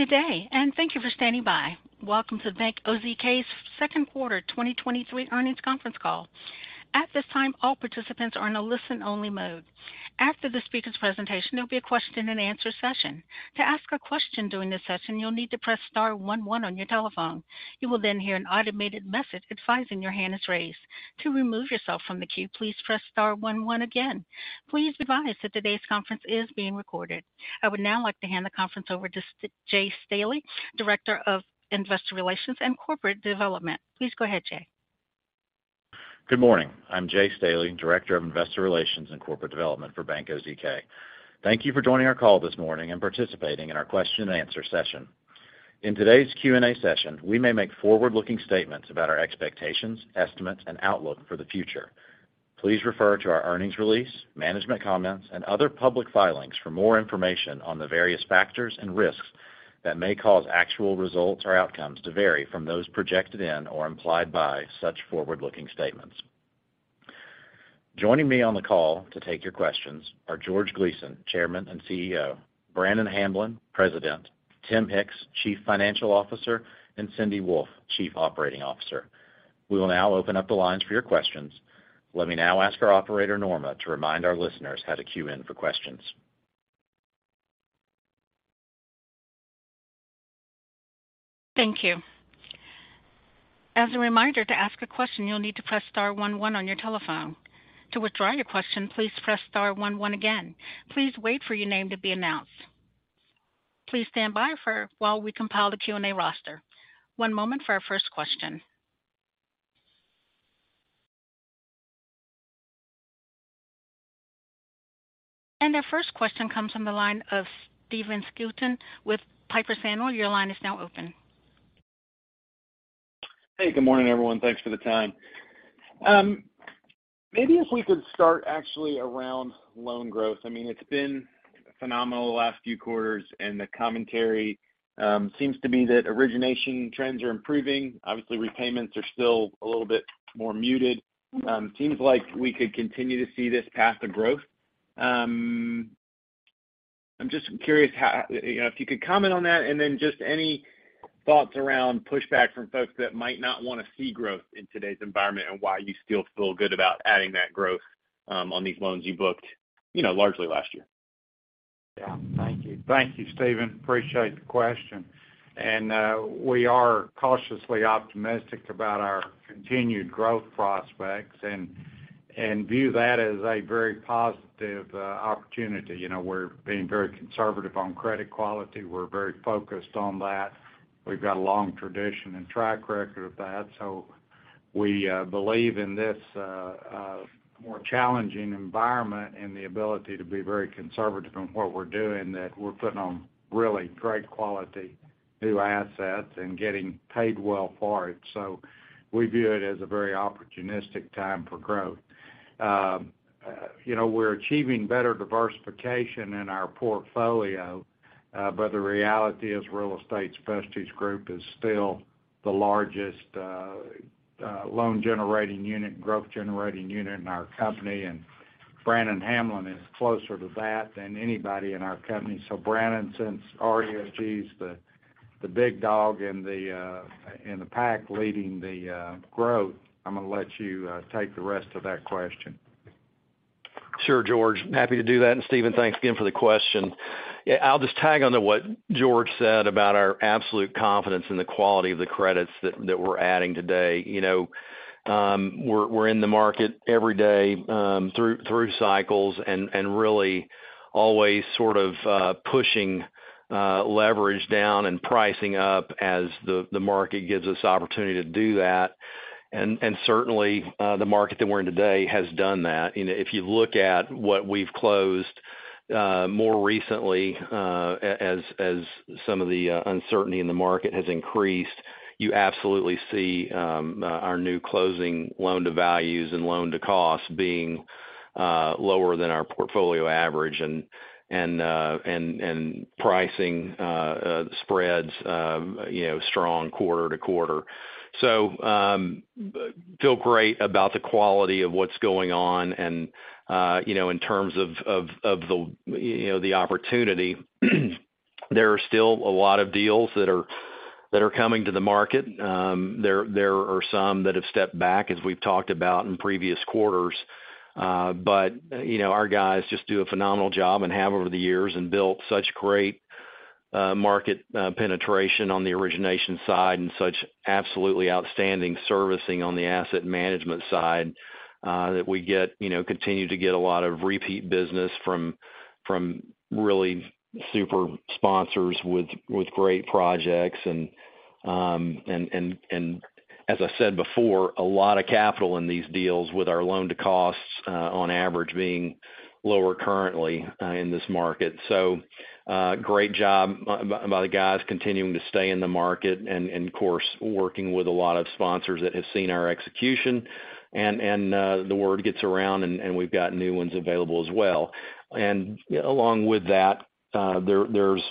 Good day, and thank you for standing by. Welcome to Bank OZK's second quarter 2023 earnings conference call. At this time, all participants are in a listen-only mode. After the speaker's presentation, there'll be a question and answer session. To ask a question during this session, you'll need to press star one one on your telephone. You will hear an automated message advising your hand is raised. To remove yourself from the queue, please press star one one again. Please be advised that today's conference is being recorded. I would now like to hand the conference over to Jay Staley, Director of Investor Relations and Corporate Development. Please go ahead, Jay. Good morning. I'm Jay Staley, Director of Investor Relations and Corporate Development for Bank OZK. Thank you for joining our call this morning and participating in our question and answer session. In today's Q&A session, we may make forward-looking statements about our expectations, estimates, and outlook for the future. Please refer to our earnings release, management comments, and other public filings for more information on the various factors and risks that may cause actual results or outcomes to vary from those projected in or implied by such forward-looking statements. Joining me on the call to take your questions are George Gleason, Chairman and CEO; Brannon Hamblen, President; Tim Hicks, Chief Financial Officer; and Cindy Wolfe, Chief Operating Officer. We will now open up the lines for your questions. Let me now ask our operator, Norma, to remind our listeners how to queue in for questions. Thank you. As a reminder, to ask a question, you'll need to press star one one on your telephone. To withdraw your question, please press star one one again. Please wait for your name to be announced. Please stand by while we compile the Q&A roster. One moment for our first question. Our first question comes from the line of Stephen Scouten with Piper Sandler. Your line is now open. Hey, good morning, everyone. Thanks for the time. Maybe if we could start actually around loan growth. I mean, it's been phenomenal the last few quarters, and the commentary seems to be that origination trends are improving. Obviously, repayments are still a little bit more muted. Seems like we could continue to see this path to growth. I'm just curious how, you know, if you could comment on that, and then just any thoughts around pushback from folks that might not want to see growth in today's environment, and why you still feel good about adding that growth on these loans you booked, you know, largely last year? Yeah. Thank you. Thank you, Stephen. Appreciate the question. We are cautiously optimistic about our continued growth prospects and view that as a very positive opportunity. You know, we're being very conservative on credit quality. We're very focused on that. We've got a long tradition and track record of that. We believe in this more challenging environment and the ability to be very conservative in what we're doing, that we're putting on really great quality, new assets and getting paid well for it. We view it as a very opportunistic time for growth. You know, we're achieving better diversification in our portfolio, but the reality is, Real Estate Specialty Group is still the largest loan-generating unit, growth-generating unit in our company, and Brannon Hamblen is closer to that than anybody in our company. Brannon, since RESG's the big dog in the in the pack leading the growth, I'm going to let you take the rest of that question. Sure, George, happy to do that. Steven, thanks again for the question. Yeah, I'll just tag onto what George said about our absolute confidence in the quality of the credits that we're adding today. You know, we're in the market every day, through cycles and really always sort of pushing leverage down and pricing up as the market gives us opportunity to do that. Certainly the market that we're in today has done that. You know, if you look at what we've closed more recently, as some of the uncertainty in the market has increased, you absolutely see our new closing loan-to-values and loan-to-costs being lower than our portfolio average and pricing spreads, you know, strong quarter to quarter. Feel great about the quality of what's going on and, you know, in terms of the, you know, the opportunity, there are still a lot of deals coming to the market. There are some that have stepped back, as we've talked about in previous quarters. You know, our guys just do a phenomenal job and have over the years and built such great market penetration on the origination side and such absolutely outstanding servicing on the asset management side, that we get, you know, continue to get a lot of repeat business from really super sponsors with great projects. As I said before, a lot of capital in these deals with our loan to costs, on average, being lower currently, in this market. Great job by the guys continuing to stay in the market and of course, working with a lot of sponsors that have seen our execution, and the word gets around and we've got new ones available as well. Along with that, there's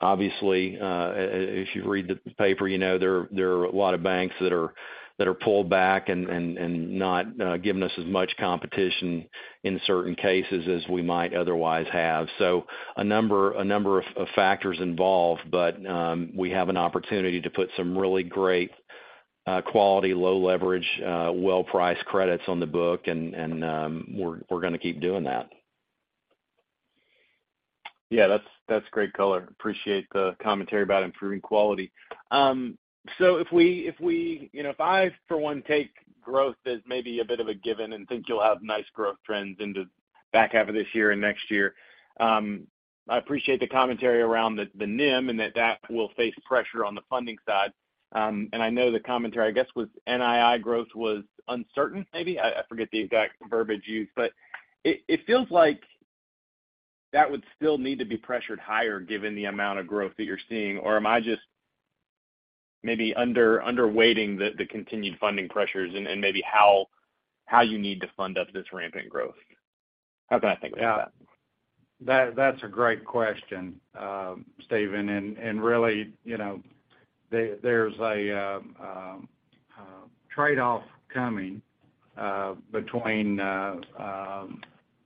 obviously, if you read the paper, you know, there are a lot of banks that are pulled back and not giving us as much competition in certain cases as we might otherwise have. A number of factors involved, but, we have an opportunity to put some really great quality, low leverage, well-priced credits on the book, and, we're going to keep doing that. Yeah, that's great color. Appreciate the commentary about improving quality. If we, you know, if I, for one, take growth as maybe a bit of a given and think you'll have nice growth trends into the back half of this year and next year, I appreciate the commentary around the NIM and that will face pressure on the funding side. I know the commentary, I guess, was NII growth was uncertain, maybe? I forget the exact verbiage used, but it feels like that would still need to be pressured higher given the amount of growth that you're seeing. Or am I just maybe under weighting the continued funding pressures and maybe how you need to fund up this rampant growth? How can I think about that? Yeah, that's a great question, Stephen. And really, you know, there's a trade-off coming between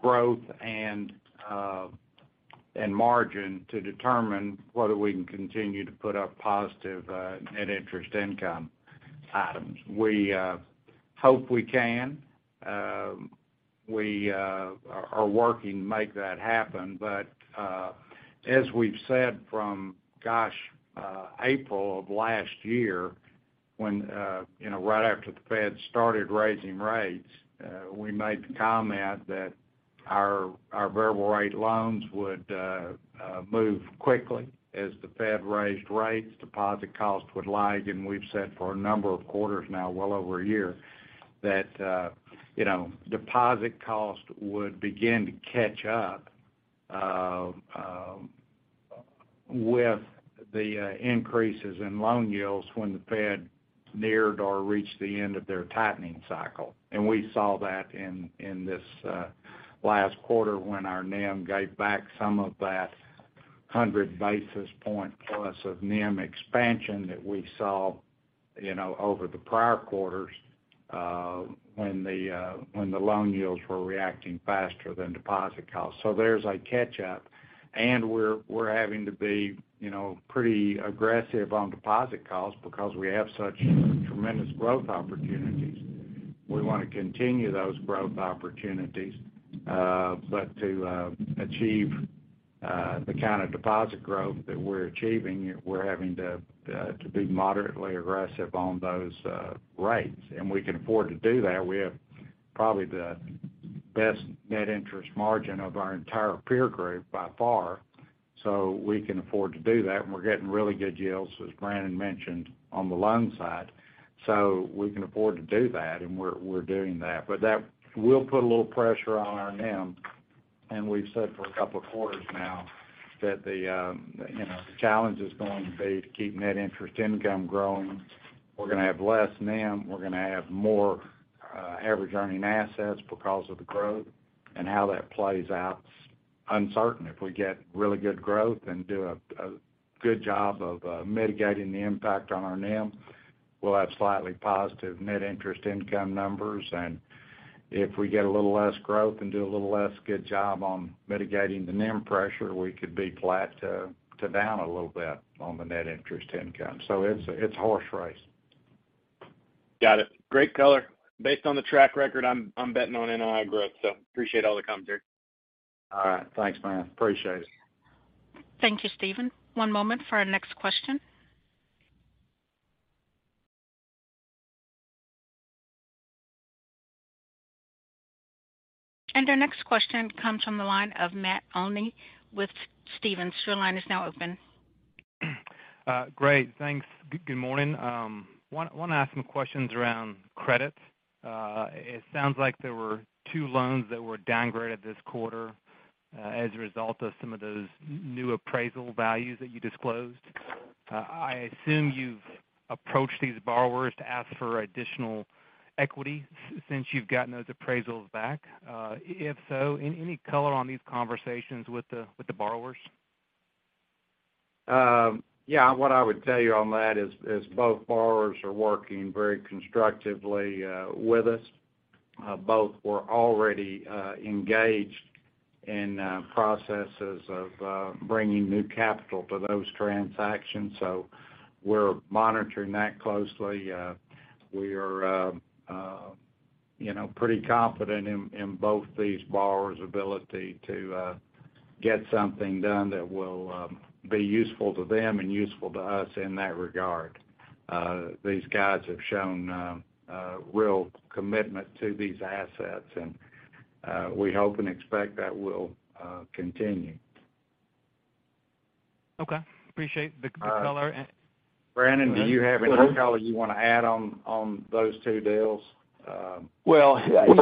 growth and margin to determine whether we can continue to put up positive net interest income items. We hope we can. We are working to make that happen. As we've said from, gosh, April of last year, when you know, right after the Fed started raising rates, we made the comment that our variable rate loans would move quickly as the Fed raised rates, deposit costs would lag. We've said for a number of quarters now, well over a year, that, you know, deposit cost would begin to catch up with the increases in loan yields when the Fed neared or reached the end of their tightening cycle. We saw that in this last quarter when our NIM gave back some of that 100 basis point plus of NIM expansion that we saw, you know, over the prior quarters, when the loan yields were reacting faster than deposit costs. There's a catch up, and we're having to be, you know, pretty aggressive on deposit costs because we have such tremendous growth opportunities. We want to continue those growth opportunities, but to achieve the kind of deposit growth that we're achieving, we're having to be moderately aggressive on those rates. We can afford to do that. We have probably the best net interest margin of our entire peer group by far, so we can afford to do that. We're getting really good yields, as Brannon mentioned, on the loan side. We can afford to do that, and we're doing that. That will put a little pressure on our NIM, and we've said for a couple of quarters now that the, you know, the challenge is going to be to keep net interest income growing. We're going to have less NIM. We're going to have more average earning assets because of the growth. How that plays out is uncertain. If we get really good growth and do a good job of mitigating the impact on our NIM, we'll have slightly positive net interest income numbers. If we get a little less growth and do a little less good job on mitigating the NIM pressure, we could be flat to down a little bit on the net interest income. It's a horse race. Got it. Great color. Based on the track record, I'm betting on NII growth, so appreciate all the commentary. All right. Thanks, man. Appreciate it. Thank you, Stephen. One moment for our next question. Our next question comes from the line of Matt Olney with Stephens. Your line is now open. Great. Thanks. Good, good morning. Want to ask some questions around credit. It sounds like there were two loans that were downgraded this quarter, as a result of some of those new appraisal values that you disclosed. I assume you've approached these borrowers to ask for additional equity since you've gotten those appraisals back. If so, any color on these conversations with the borrowers? Yeah, what I would tell you on that is both borrowers are working very constructively with us. Both were already engaged in processes of bringing new capital to those transactions. We're monitoring that closely. We are, you know, pretty confident in both these borrowers' ability to get something done that will be useful to them and useful to us in that regard. These guys have shown a real commitment to these assets, and we hope and expect that will continue. Okay. Appreciate the color. Brannon, do you have any color you want to add on those two deals? Well,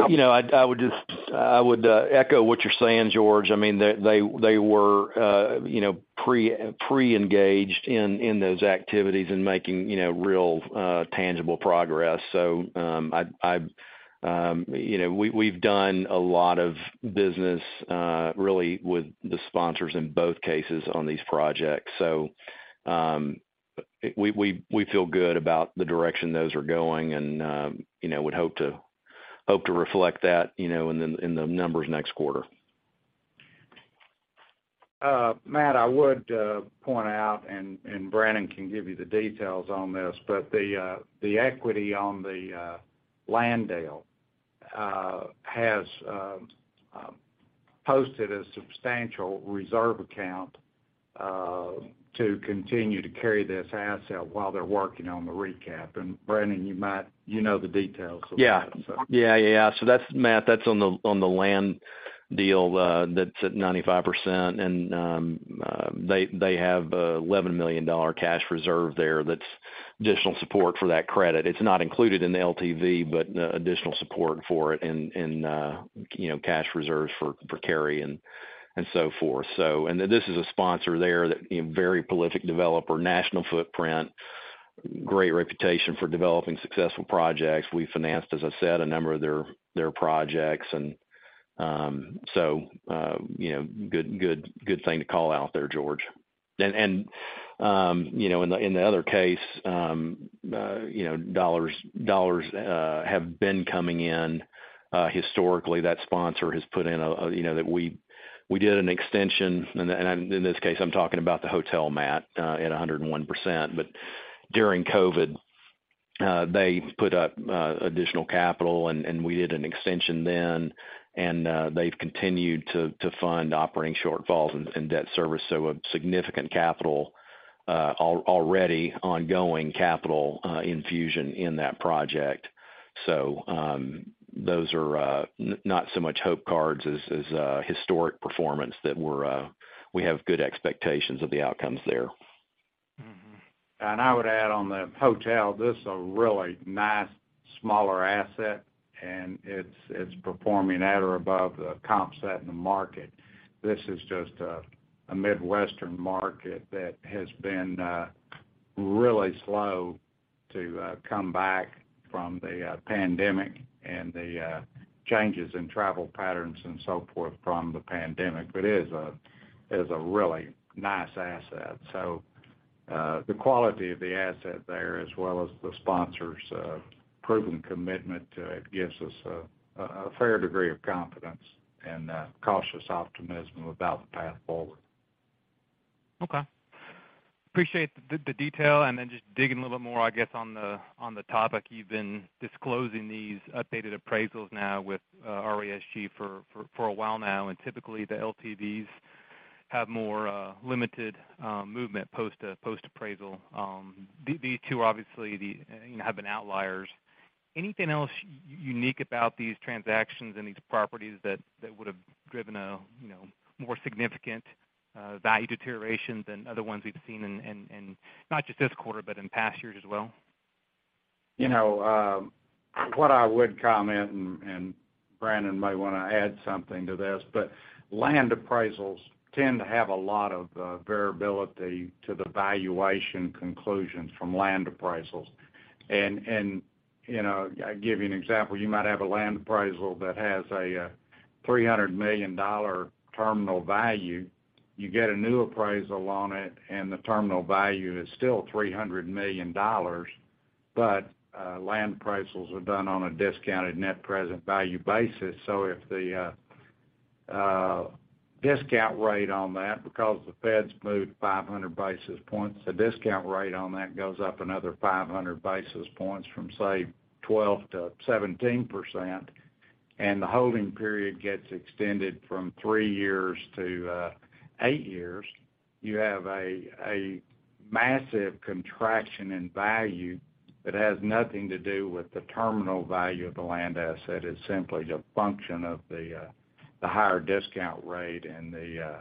you know, I would just echo what you're saying, George. I mean, they were, you know, pre-engaged in those activities and making, you know, real, tangible progress. I've, you know, we've done a lot of business really with the sponsors in both cases on these projects. We feel good about the direction those are going and, you know, would hope to reflect that, you know, in the numbers next quarter. Matt, I would point out, and Brannon can give you the details on this, but the equity on the land deal has posted a substantial reserve account to continue to carry this asset while they're working on the recap. Brannon, you might, you know the details of that, so. Yeah. Yeah, yeah. Matt, that's on the land deal, that's at 95%. they have a $11 million cash reserve there that's additional support for that credit. It's not included in the LTV, but additional support for it and, you know, cash reserves for carry and so forth. this is a sponsor there that, you know, very prolific developer, national footprint, great reputation for developing successful projects. We financed, as I said, a number of their projects, you know, good thing to call out there, George. in the other case, you know, dollars have been coming in. Historically, that sponsor has put in, you know, that we did an extension, and in this case, I'm talking about the hotel, Matt, at 101%. During COVID, they put up additional capital, and we did an extension then, and they've continued to fund operating shortfalls and debt service. A significant capital, already ongoing capital, infusion in that project. Those are not so much hope cards as historic performance that we have good expectations of the outcomes there. I would add on the hotel, this is a really nice, smaller asset, and it's performing at or above the comp set in the market. This is just a Midwestern market that has been really slow to come back from the pandemic and the changes in travel patterns and so forth from the pandemic. It is a really nice asset. The quality of the asset there, as well as the sponsor's proven commitment to it, gives us a fair degree of confidence and cautious optimism about the path forward. Okay. Appreciate the detail, just digging a little bit more, I guess, on the topic. You've been disclosing these updated appraisals now with RESG for a while now. Typically, the LTVs have more limited movement post post-appraisal. These two, obviously, have been outliers. Anything else unique about these transactions and these properties that would have driven a, you know, more significant value deterioration than other ones we've seen in not just this quarter, but in past years as well? You know, what I would comment, and Brannon may want to add something to this, but land appraisals tend to have a lot of variability to the valuation conclusions from land appraisals. You know, I'll give you an example. You might have a land appraisal that has a $300 million terminal value. You get a new appraisal on it, and the terminal value is still $300 million. Land appraisals are done on a discounted net present value basis. If the discount rate on that, because the Feds moved 500 basis points, the discount rate on that goes up another 500 basis points from, say, 12%-17%, and the holding period gets extended from 3 years to 8 years, you have a massive contraction in value that has nothing to do with the terminal value of the land asset. It's simply the function of the higher discount rate and the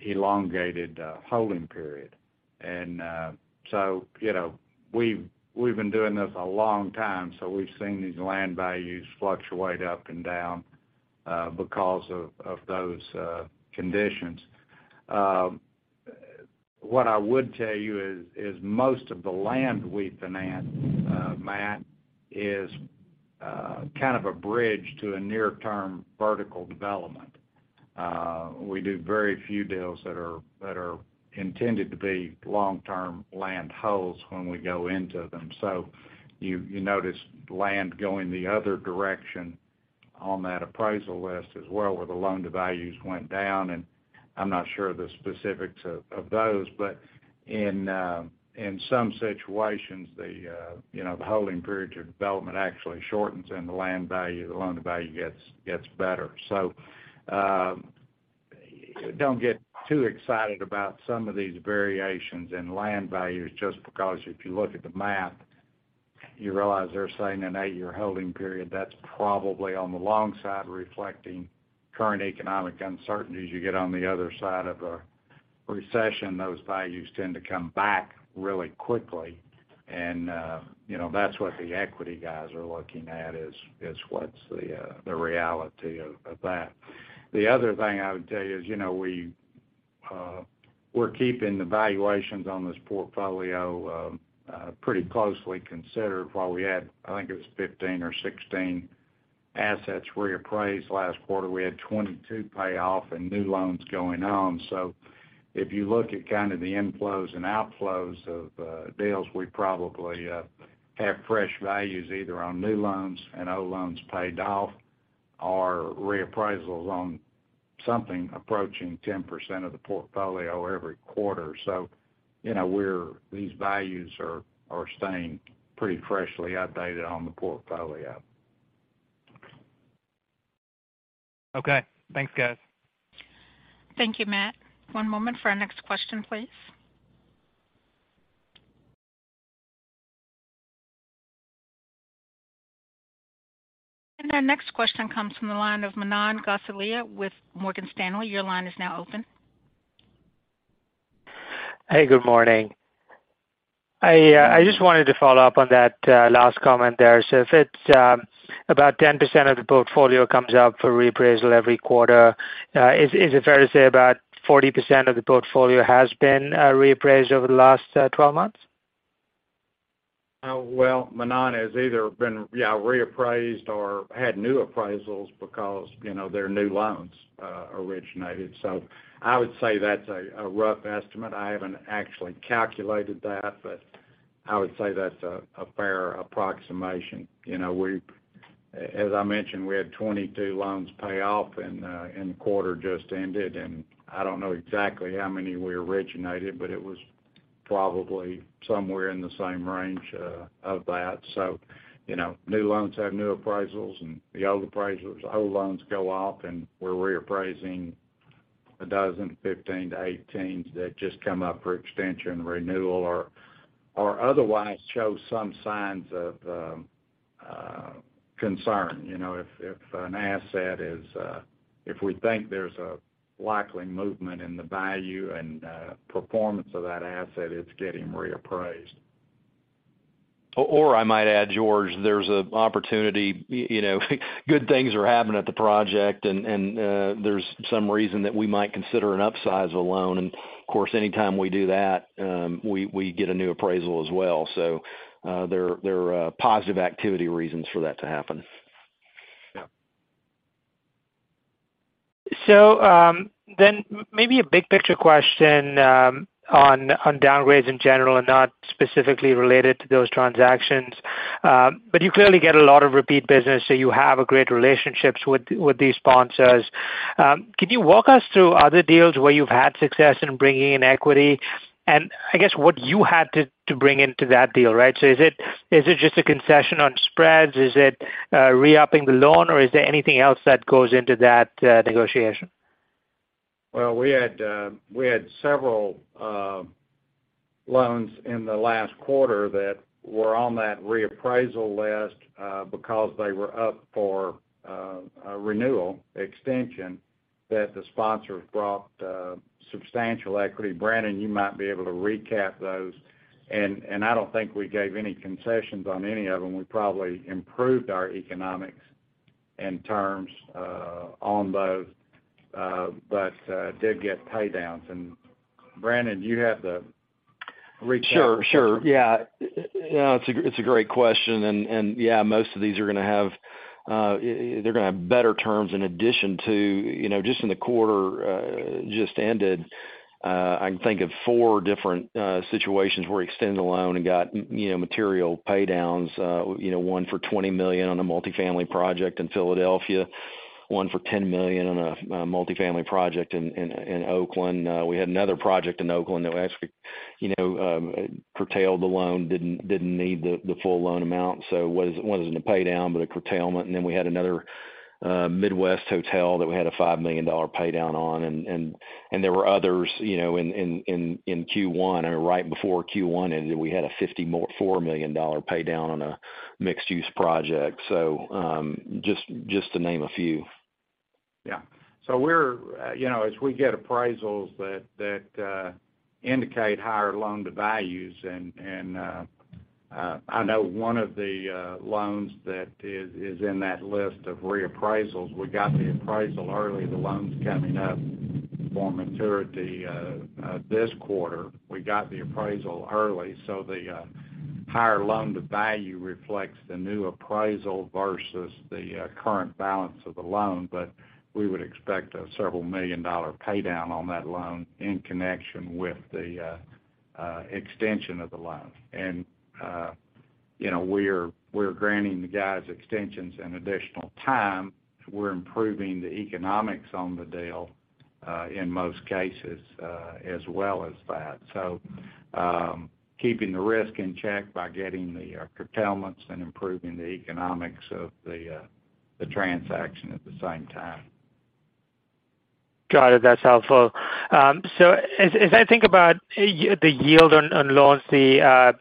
elongated holding period. You know, we've been doing this a long time, so we've seen these land values fluctuate up and down because of those conditions. What I would tell you is most of the land we finance, Matt, is kind of a bridge to a near-term vertical development. We do very few deals that are intended to be long-term land holds when we go into them. You notice land going the other direction on that appraisal list as well, where the loan to values went down, and I'm not sure of the specifics of those. In some situations, you know, the holding period to development actually shortens, and the land value, the loan to value gets better. Don't get too excited about some of these variations in land values just because if you look at the math, you realize they're saying an eight-year holding period, that's probably on the long side, reflecting current economic uncertainties. You get on the other side of a recession, those values tend to come back really quickly, and, you know, that's what the equity guys are looking at, is what's the reality of that. The other thing I would tell you is, you know, we're keeping the valuations on this portfolio pretty closely considered. While we had, I think it was 15 or 16 assets reappraised last quarter, we had 22 pay off and new loans going on. If you look at kind of the inflows and outflows of deals, we probably have fresh values either on new loans and old loans paid off, or reappraisals on something approaching 10% of the portfolio every quarter. You know, these values are staying pretty freshly updated on the portfolio. Okay. Thanks, guys. Thank you, Matt. One moment for our next question, please. Our next question comes from the line of Manan Gosalia with Morgan Stanley. Your line is now open. Hey, good morning. I just wanted to follow up on that last comment there. If it's about 10% of the portfolio comes up for reappraisal every quarter, is it fair to say about 40% of the portfolio has been reappraised over the last 12 months? Well, Manan, it's either been, yeah, reappraised or had new appraisals because, you know, they're new loans, originated. I would say that's a rough estimate. I haven't actually calculated that, but I would say that's a fair approximation. You know, as I mentioned, we had 22 loans pay off in the quarter just ended, and I don't know exactly how many we originated, but it was probably somewhere in the same range of that. You know, new loans have new appraisals, and the old appraisers, the old loans go off, and we're reappraising a dozen, 15-18, that just come up for extension, renewal, or otherwise show some signs of concern. You know, if an asset is, if we think there's a likely movement in the value and performance of that asset, it's getting reappraised. I might add, George, there's an opportunity, you know, good things are happening at the project, and there's some reason that we might consider an upsize of loan. Of course, anytime we do that, we get a new appraisal as well. There are positive activity reasons for that to happen. Yeah. Then maybe a big picture question, on downgrades in general and not specifically related to those transactions. You clearly get a lot of repeat business, so you have great relationships with these sponsors. Could you walk us through other deals where you've had success in bringing in equity? I guess what you had to bring into that deal, right? Is it just a concession on spreads? Is it, re-upping the loan, or is there anything else that goes into that negotiation? Well, we had several loans in the last quarter that were on that reappraisal list, because they were up for a renewal extension, that the sponsor brought substantial equity. Brannon, you might be able to recap those. I don't think we gave any concessions on any of them. We probably improved our economics and terms on those, but did get pay downs. Brannon, do you have the recap? Sure, sure. Yeah. You know, it's a great question. Yeah, most of these are gonna have, they're gonna have better terms in addition to, you know, just in the quarter, just ended, I can think of 4 different situations where we extended a loan and got, you know, material pay downs. You know, one for $20 million on a multifamily project in Philadelphia, one for $10 million on a multifamily project in Oakland. We had another project in Oakland that we actually, you know, curtailed the loan, didn't need the full loan amount, so it wasn't a pay down, but a curtailment. We had another Midwest hotel that we had a $5 million pay down on. There were others, you know, in Q1 or right before Q1 ended, we had a $54 million pay down on a mixed-use project. Just to name a few. Yeah. We're, you know, as we get appraisals that, indicate higher loan to values, and, I know one of the, loans that is in that list of reappraisals, we got the appraisal early. The loan's coming up for maturity, this quarter. We got the appraisal early, the, higher loan to value reflects the new appraisal versus the, current balance of the loan. We would expect a several million dollar pay down on that loan in connection with the, extension of the loan. You know, we're granting the guys extensions and additional time. We're improving the economics on the deal, in most cases, as well as that. keeping the risk in check by getting the curtailments and improving the economics of the transaction at the same time. Got it. That's helpful. as I think about the yield on loans, the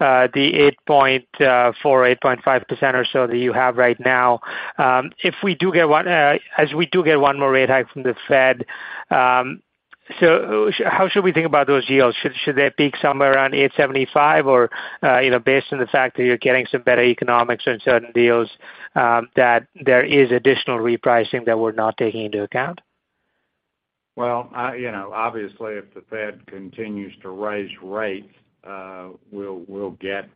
8.4%-8.5% or so that you have right now, if we do get 1 more rate hike from the Fed, how should we think about those yields? Should they peak somewhere around 8.75%, or, you know, based on the fact that you're getting some better economics on certain deals, that there is additional repricing that we're not taking into account? Well, I, you know, obviously, if the Fed continues to raise rates, we'll get,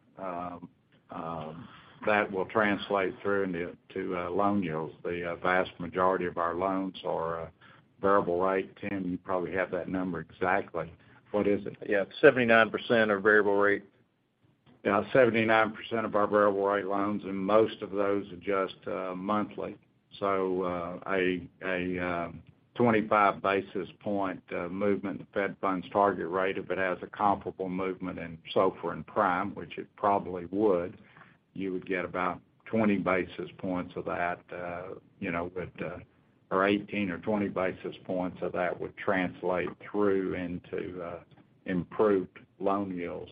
that will translate through into loan yields. The vast majority of our loans are variable rate. Tim, you probably have that number exactly. What is it? Yeah, 79% are variable rate. Yeah, 79% of our variable rate loans. Most of those adjust monthly. A 25 basis point movement in the Fed funds target rate, if it has a comparable movement in SOFR and Prime, which it probably would, you would get about 20 basis points of that, you know, or 18 or 20 basis points of that would translate through into improved loan yields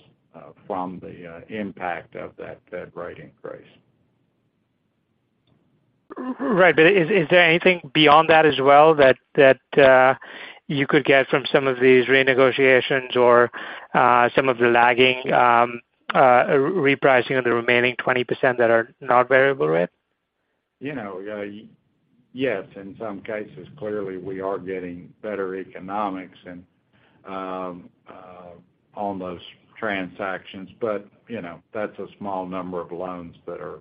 from the impact of that Fed rate increase. Is there anything beyond that as well, that you could get from some of these renegotiations or, some of the lagging, repricing of the remaining 20% that are not variable rate? You know, yes, in some cases, clearly, we are getting better economics and on those transactions. You know, that's a small number of loans that are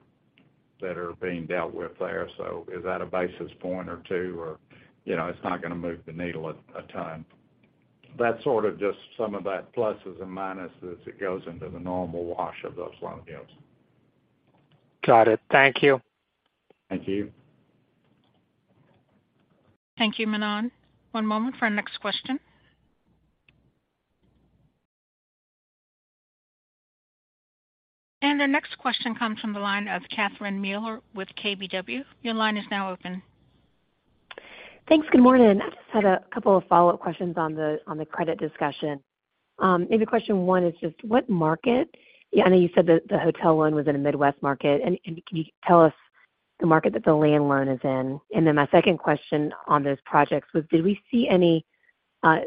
being dealt with there. Is that a basis point or 2, or, you know, it's not going to move the needle a ton. That's sort of just some of that pluses and minuses that goes into the normal wash of those loan yields. Got it. Thank you. Thank you. Thank you, Manan. One moment for our next question. Our next question comes from the line of Catherine Mealor with KBW. Your line is now open. Thanks. Good morning. I just had a couple of follow-up questions on the, on the credit discussion. Maybe question one is just what market I know you said that the hotel one was in a Midwest market, and can you tell us the market that the land loan is in? My second question on those projects was, did we see any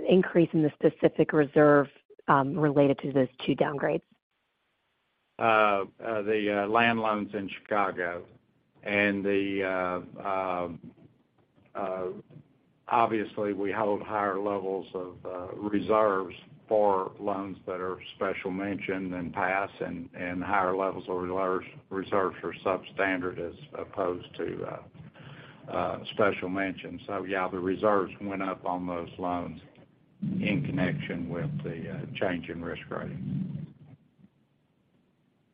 increase in the specific reserve related to those two downgrades? The land loans in Chicago. Obviously, we hold higher levels of reserves for loans that are special mention than pass, and higher levels of reserves for substandard as opposed to special mention. Yeah, the reserves went up on those loans in connection with the change in risk rating.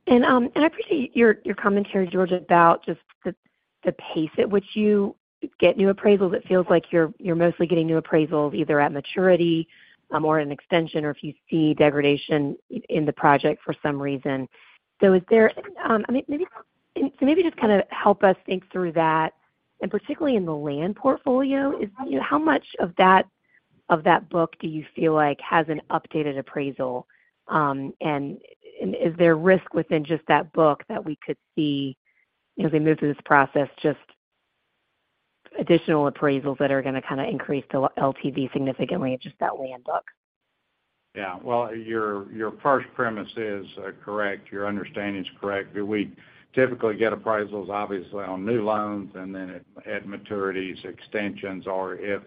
I appreciate your commentary, George, about just the pace at which you get new appraisals. It feels like you're mostly getting new appraisals either at maturity, or an extension, or if you see degradation in the project for some reason. Is there, I mean, maybe just kind of help us think through that, and particularly in the land portfolio, is, you know, how much of that book do you feel like has an updated appraisal? Is there risk within just that book that we could see as we move through this process, just additional appraisals that are going to kind of increase the LTV significantly in just that land book? Well, your first premise is correct. Your understanding is correct. We typically get appraisals, obviously, on new loans, and then at maturities, extensions, or if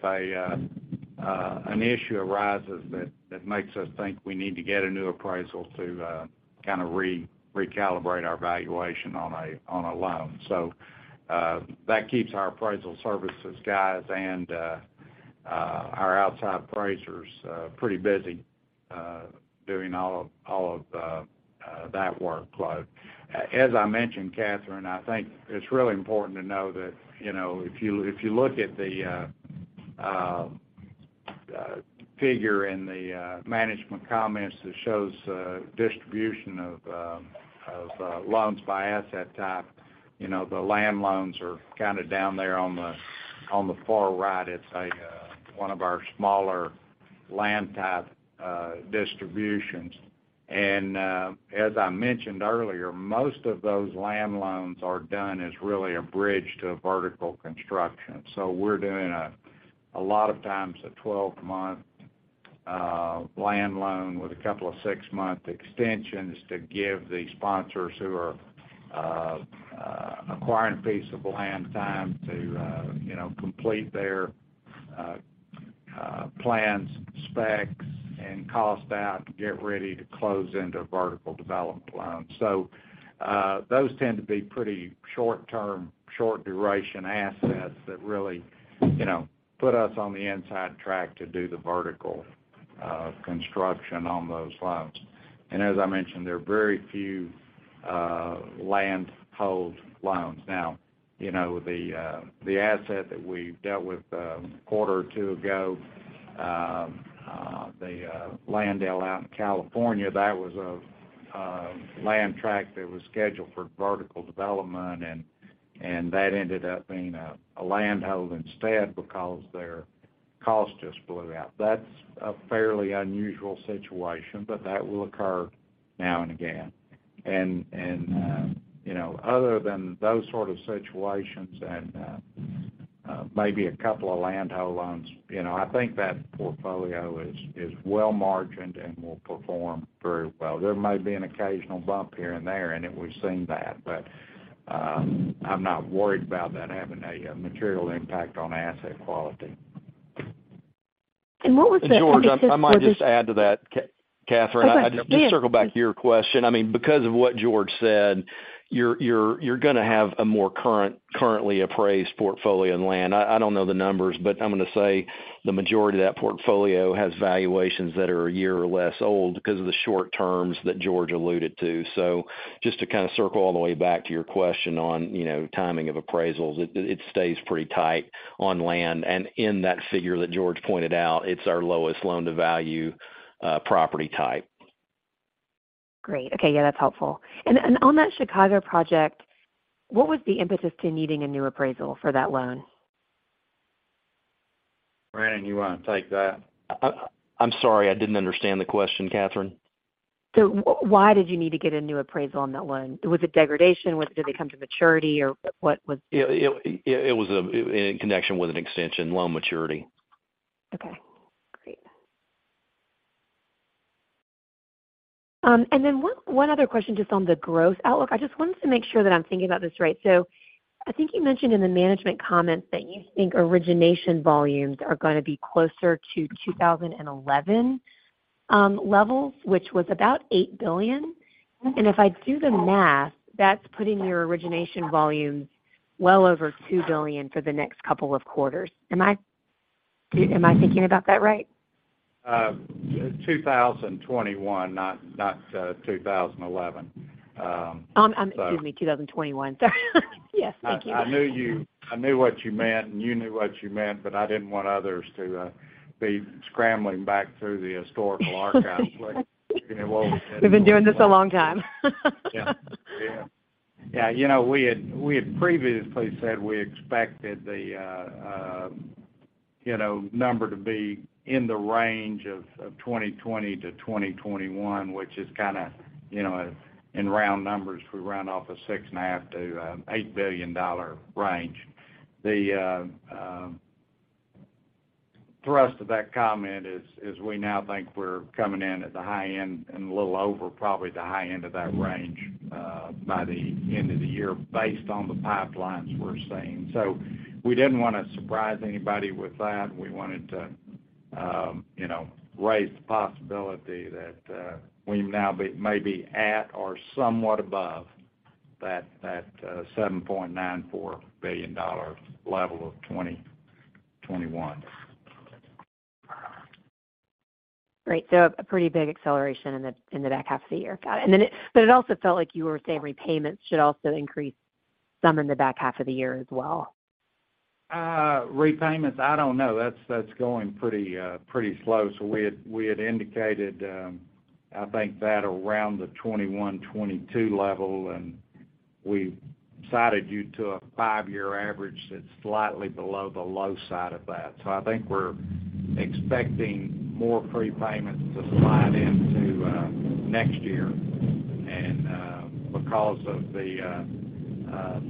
an issue arises that makes us think we need to get a new appraisal to kind of recalibrate our valuation on a loan. That keeps our appraisal services guys and our outside appraisers pretty busy doing all of that workload. As I mentioned, Catherine, I think it's really important to know that, you know, if you look at the figure in the management comments that shows distribution of loans by asset type, you know, the land loans are kind of down there on the far right. It's a one of our smaller land type distributions. As I mentioned earlier, most of those land loans are done as really a bridge to a vertical construction. We're doing a lot of times, a 12-month land loan with a couple of six-month extensions to give the sponsors who are acquiring a piece of land time to, you know, complete their plans, specs, and cost out to get ready to close into a vertical development loan. Those tend to be pretty short term, short duration assets that really, you know, put us on the inside track to do the vertical construction on those loans. As I mentioned, there are very few land hold loans. Now, you know, the asset that we dealt with, a quarter or two ago, the land deal out in California, that was land tract that was scheduled for vertical development, and that ended up being a land hold instead because their costs just blew out. That's a fairly unusual situation, but that will occur now and again. You know, other than those sort of situations and maybe a couple of land hold loans, you know, I think that portfolio is well margined and will perform very well. There may be an occasional bump here and there, and we've seen that, but I'm not worried about that having a material impact on asset quality. What was the emphasis for this-- George, I might just add to that, Catherine. Okay, yeah. I'll just circle back to your question. I mean, because of what George said, you're going to have a more currently appraised portfolio in land. I don't know the numbers, but I'm going to say the majority of that portfolio has valuations that are a year or less old because of the short terms that George alluded to. Just to kind of circle all the way back to your question on, you know, timing of appraisals, it stays pretty tight on land. In that figure that George pointed out, it's our lowest loan-to-value property type. Great. Okay. Yeah, that's helpful. On that Chicago project, what was the impetus to needing a new appraisal for that loan? Brannon, you want to take that? I'm sorry, I didn't understand the question, Catherine. Why did you need to get a new appraisal on that loan? Was it degradation? Did it come to maturity, or what was? It was in connection with an extension, loan maturity. Great. One other question just on the growth outlook. I just wanted to make sure that I'm thinking about this right. I think you mentioned in the management comments that you think origination volumes are going to be closer to 2011 levels, which was about $8 billion. If I do the math, that's putting your origination volumes well over $2 billion for the next couple of quarters. Am I thinking about that right? 2021, not 2011. Excuse me, 2021. Yes, thank you. I knew what you meant, and you knew what you meant, but I didn't want others to be scrambling back through the historical archives. You know what we said. We've been doing this a long time. Yeah. Yeah. Yeah, you know, we had previously said we expected the number to be in the range of 2020 to 2021, which is kind of, you know, in round numbers, we round off a $6.5 billion-$8 billion range. The thrust of that comment is we now think we're coming in at the high end and a little over probably the high end of that range by the end of the year, based on the pipelines we're seeing. We didn't want to surprise anybody with that. We wanted to, you know, raise the possibility that we now may be at or somewhat above that $7.94 billion level of 2021. Great. A pretty big acceleration in the back half of the year. Got it. It also felt like you were saying repayments should also increase some in the back half of the year as well. repayments, I don't know. That's going pretty slow. We had indicated, I think that around the 21, 22 level, and we cited you to a five-year average that's slightly below the low side of that. I think we're expecting more prepayments to slide into next year. Because of the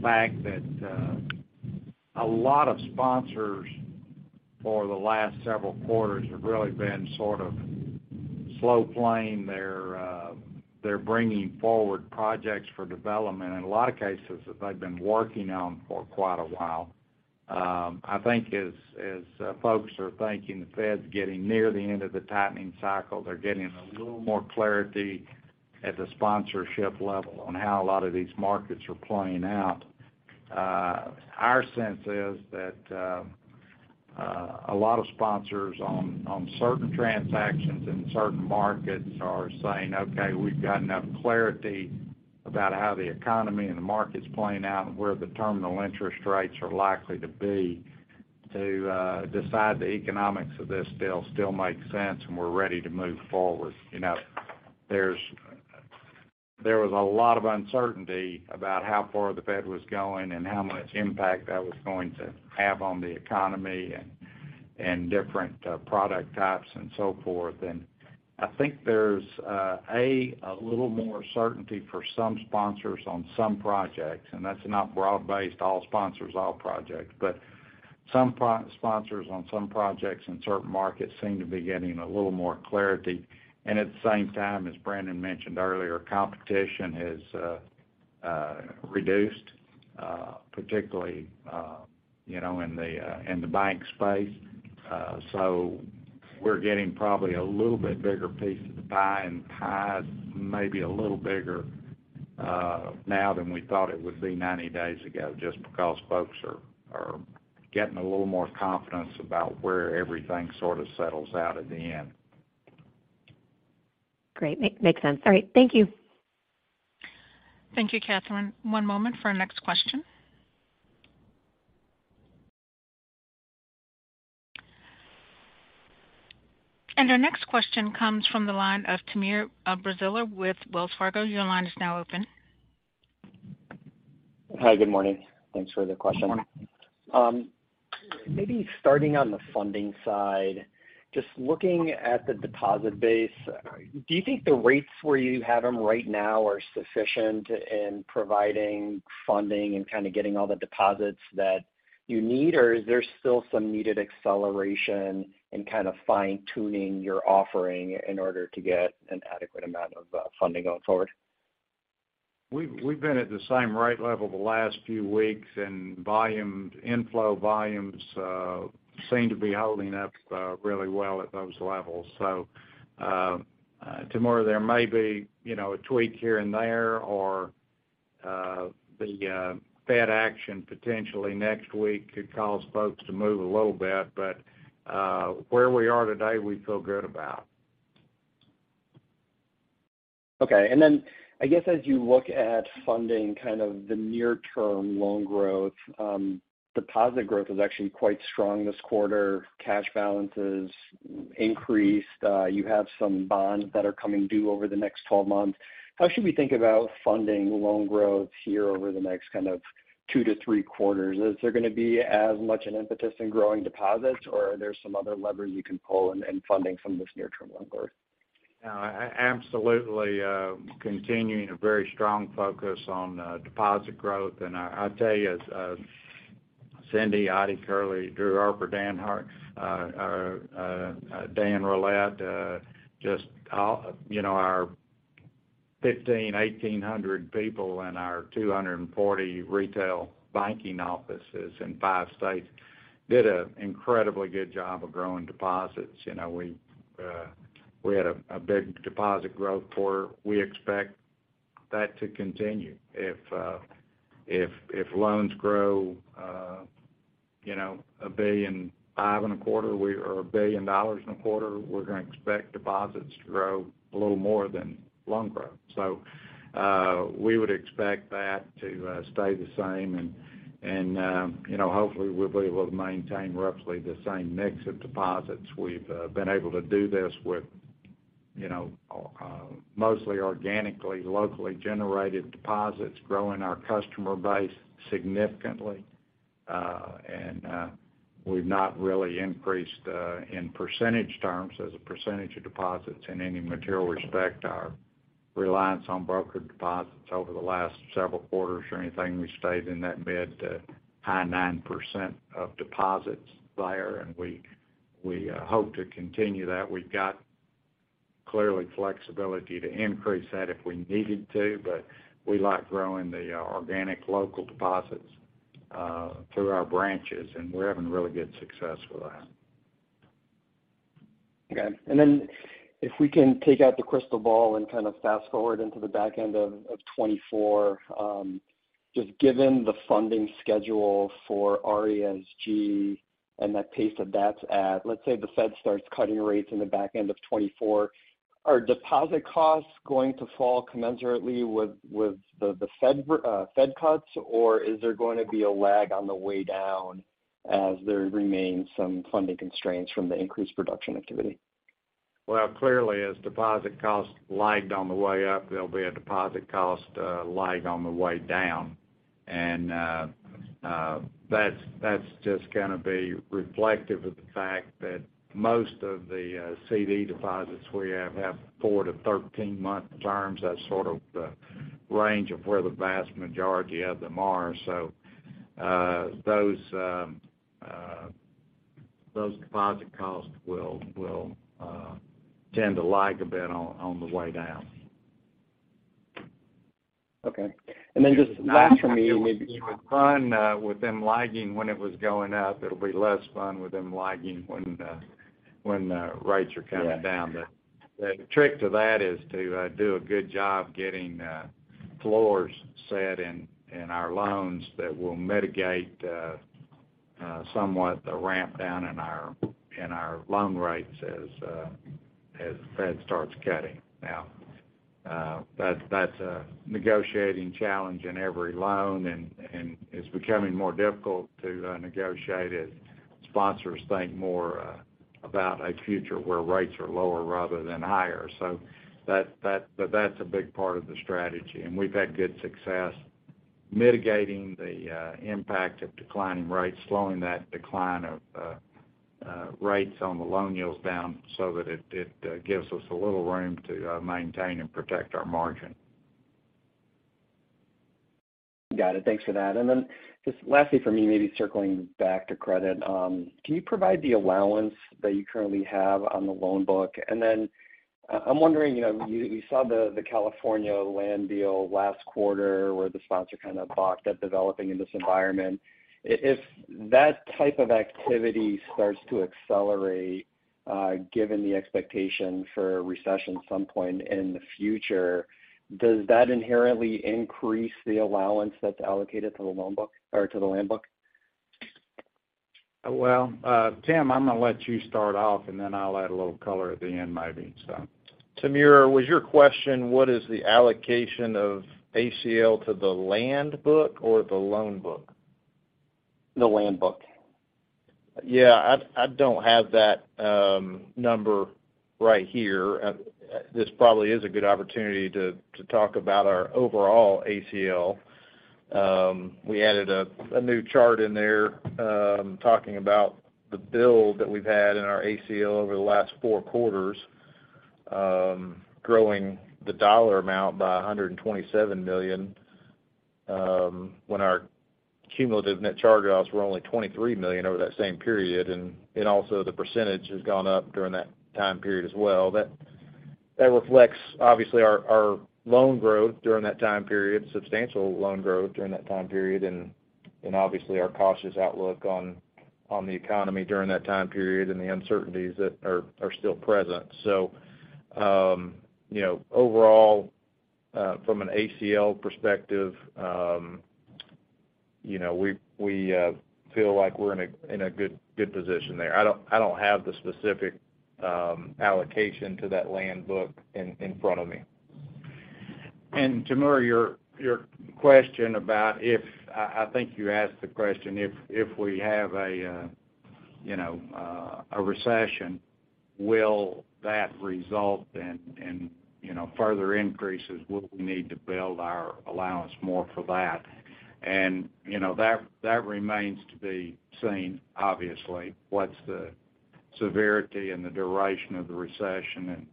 fact that a lot of sponsors for the last several quarters have really been sort of slow playing their they're bringing forward projects for development, in a lot of cases, that they've been working on for quite a while. I think as folks are thinking the Fed's getting near the end of the tightening cycle, they're getting a little more clarity at the sponsorship level on how a lot of these markets are playing out. Our sense is that a lot of sponsors on certain transactions in certain markets are saying, "Okay, we've got enough clarity about how the economy and the market's playing out and where the terminal interest rates are likely to be, to decide the economics of this deal still makes sense, and we're ready to move forward." You know, there was a lot of uncertainty about how far the Fed was going and how much impact that was going to have on the economy and different product types and so forth. I think there's a little more certainty for some sponsors on some projects, and that's not broad-based, all sponsors, all projects. Some sponsors on some projects in certain markets seem to be getting a little more clarity. At the same time, as Brannon mentioned earlier, competition has reduced, you know, in the bank space. We're getting probably a little bit bigger piece of the pie, and the pie is maybe a little bigger now than we thought it would be 90 days ago, just because folks are getting a little more confidence about where everything sort of settles out at the end. Great. makes sense. All right. Thank you. Thank you, Catherine. One moment for our next question. Our next question comes from the line of Timur Braziler with Wells Fargo. Your line is now open. Hi, good morning. Thanks for the question. Good morning. Maybe starting on the funding side, just looking at the deposit base, do you think the rates where you have them right now are sufficient in providing funding and kind of getting all the deposits that you need? Is there still some needed acceleration in kind of fine-tuning your offering in order to get an adequate amount of funding going forward? We've been at the same rate level the last few weeks, and volume, inflow volumes, seem to be holding up, really well at those levels. Timur, there may be, you know, a tweak here and there, or the Fed action potentially next week could cause folks to move a little bit. Where we are today, we feel good about. Okay. I guess, as you look at funding kind of the near-term loan growth, deposit growth was actually quite strong this quarter. Cash balances increased. You have some bonds that are coming due over the next 12 months. How should we think about funding loan growth here over the next kind of 2 to 3 quarters? Is there gonna be as much an impetus in growing deposits, or are there some other levers you can pull in funding some of this near-term loan growth? Absolutely, continuing a very strong focus on deposit growth. I tell you, as Cindy, Ottie Kerley, Drew Harper, Dan Rolett, just all, you know, our 1,500, 1,800 people in our 240 retail banking offices in 5 states did a incredibly good job of growing deposits. You know, we had a big deposit growth quarter. We expect that to continue. If, if loans grow, you know, $1.5 billion and a quarter or $1 billion and a quarter, we're gonna expect deposits to grow a little more than loan growth. We would expect that to stay the same, and, you know, hopefully, we'll be able to maintain roughly the same mix of deposits. We've been able to do this with, you know, mostly organically, locally generated deposits, growing our customer base significantly. We've not really increased in percentage terms, as a percentage of deposits in any material respect, our reliance on brokered deposits over the last several quarters or anything. We stayed in that mid to high 9% of deposits there, and we hope to continue that. We've got clearly flexibility to increase that if we needed to, but we like growing the organic local deposits through our branches, and we're having really good success with that. If we can take out the crystal ball and kind of fast forward into the back end of 2024, just given the funding schedule for RESG and the pace that that's at, let's say, the Fed starts cutting rates in the back end of 2024, are deposit costs going to fall commensurately with the Fed cuts? Or is there going to be a lag on the way down as there remains some funding constraints from the increased production activity? Well, clearly, as deposit costs lagged on the way up, there'll be a deposit cost lag on the way down. That's just gonna be reflective of the fact that most of the CD deposits we have had 4 to 13-month terms. That's sort of the range of where the vast majority of them are. Those deposit costs will tend to lag a bit on the way down. Okay. Just last for me. Fun, with them lagging when it was going up, it'll be less fun with them lagging when the rates are coming down. Yeah. The trick to that is to do a good job getting floors set in our loans that will mitigate somewhat the ramp down in our loan rates as the Fed starts cutting. That's a negotiating challenge in every loan, and it's becoming more difficult to negotiate as sponsors think more about a future where rates are lower rather than higher. That's a big part of the strategy, and we've had good success mitigating the impact of declining rates, slowing that decline of rates on the loan yields down so that it gives us a little room to maintain and protect our margin. Got it. Thanks for that. Just lastly for me, maybe circling back to credit, can you provide the allowance that you currently have on the loan book? I'm wondering, you know, you saw the California land deal last quarter, where the sponsor kind of balked at developing in this environment. If that type of activity starts to accelerate, given the expectation for a recession at some point in the future, does that inherently increase the allowance that's allocated to the loan book or to the land book? Tim, I'm gonna let you start off, and then I'll add a little color at the end, maybe. Timur, was your question, what is the allocation of ACL to the land book or the loan book? The land book. I don't have that number right here. This probably is a good opportunity to talk about our overall ACL. We added a new chart in there talking about the build that we've had in our ACL over the last four quarters, growing the dollar amount by $127 million when our cumulative net charge-offs were only $23 million over that same period, and also the percentage has gone up during that time period as well. That reflects, obviously, our loan growth during that time period, substantial loan growth during that time period, and obviously, our cautious outlook on the economy during that time period and the uncertainties that are still present. you know, overall, from an ACL perspective, you know, we feel like we're in a good position there. I don't have the specific allocation to that land book in front of me. Timur, your question about if, I think you asked the question, if we have a, you know, a recession, will that result in, you know, further increases? Will we need to build our allowance more for that? You know, that remains to be seen, obviously. What's the severity and the duration of the recession, and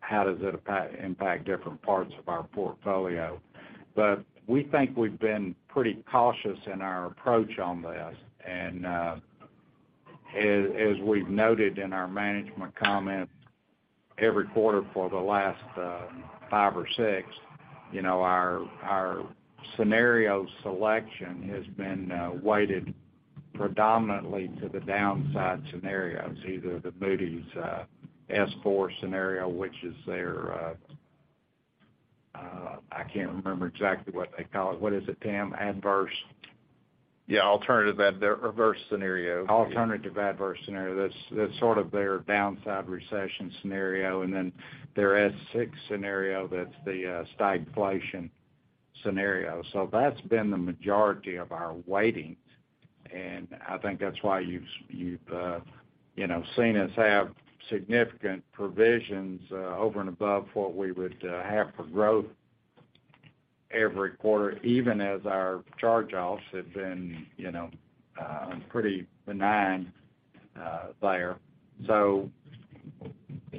how does it impact different parts of our portfolio? We think we've been pretty cautious in our approach on this. As we've noted in our management comments every quarter for the last five or six, you know, our scenario selection has been weighted predominantly to the downside scenarios, either the Moody's S4 scenario, which is their, I can't remember exactly what they call it. What is it, Tim? Adverse? Yeah, alternative adverse scenario. Alternative adverse scenario. That's sort of their downside recession scenario. Their S6 scenario, that's the stagflation scenario. That's been the majority of our weightings, and I think that's why you've, you know, seen us have significant provisions over and above what we would have for growth every quarter, even as our charge-offs have been, you know, pretty benign there.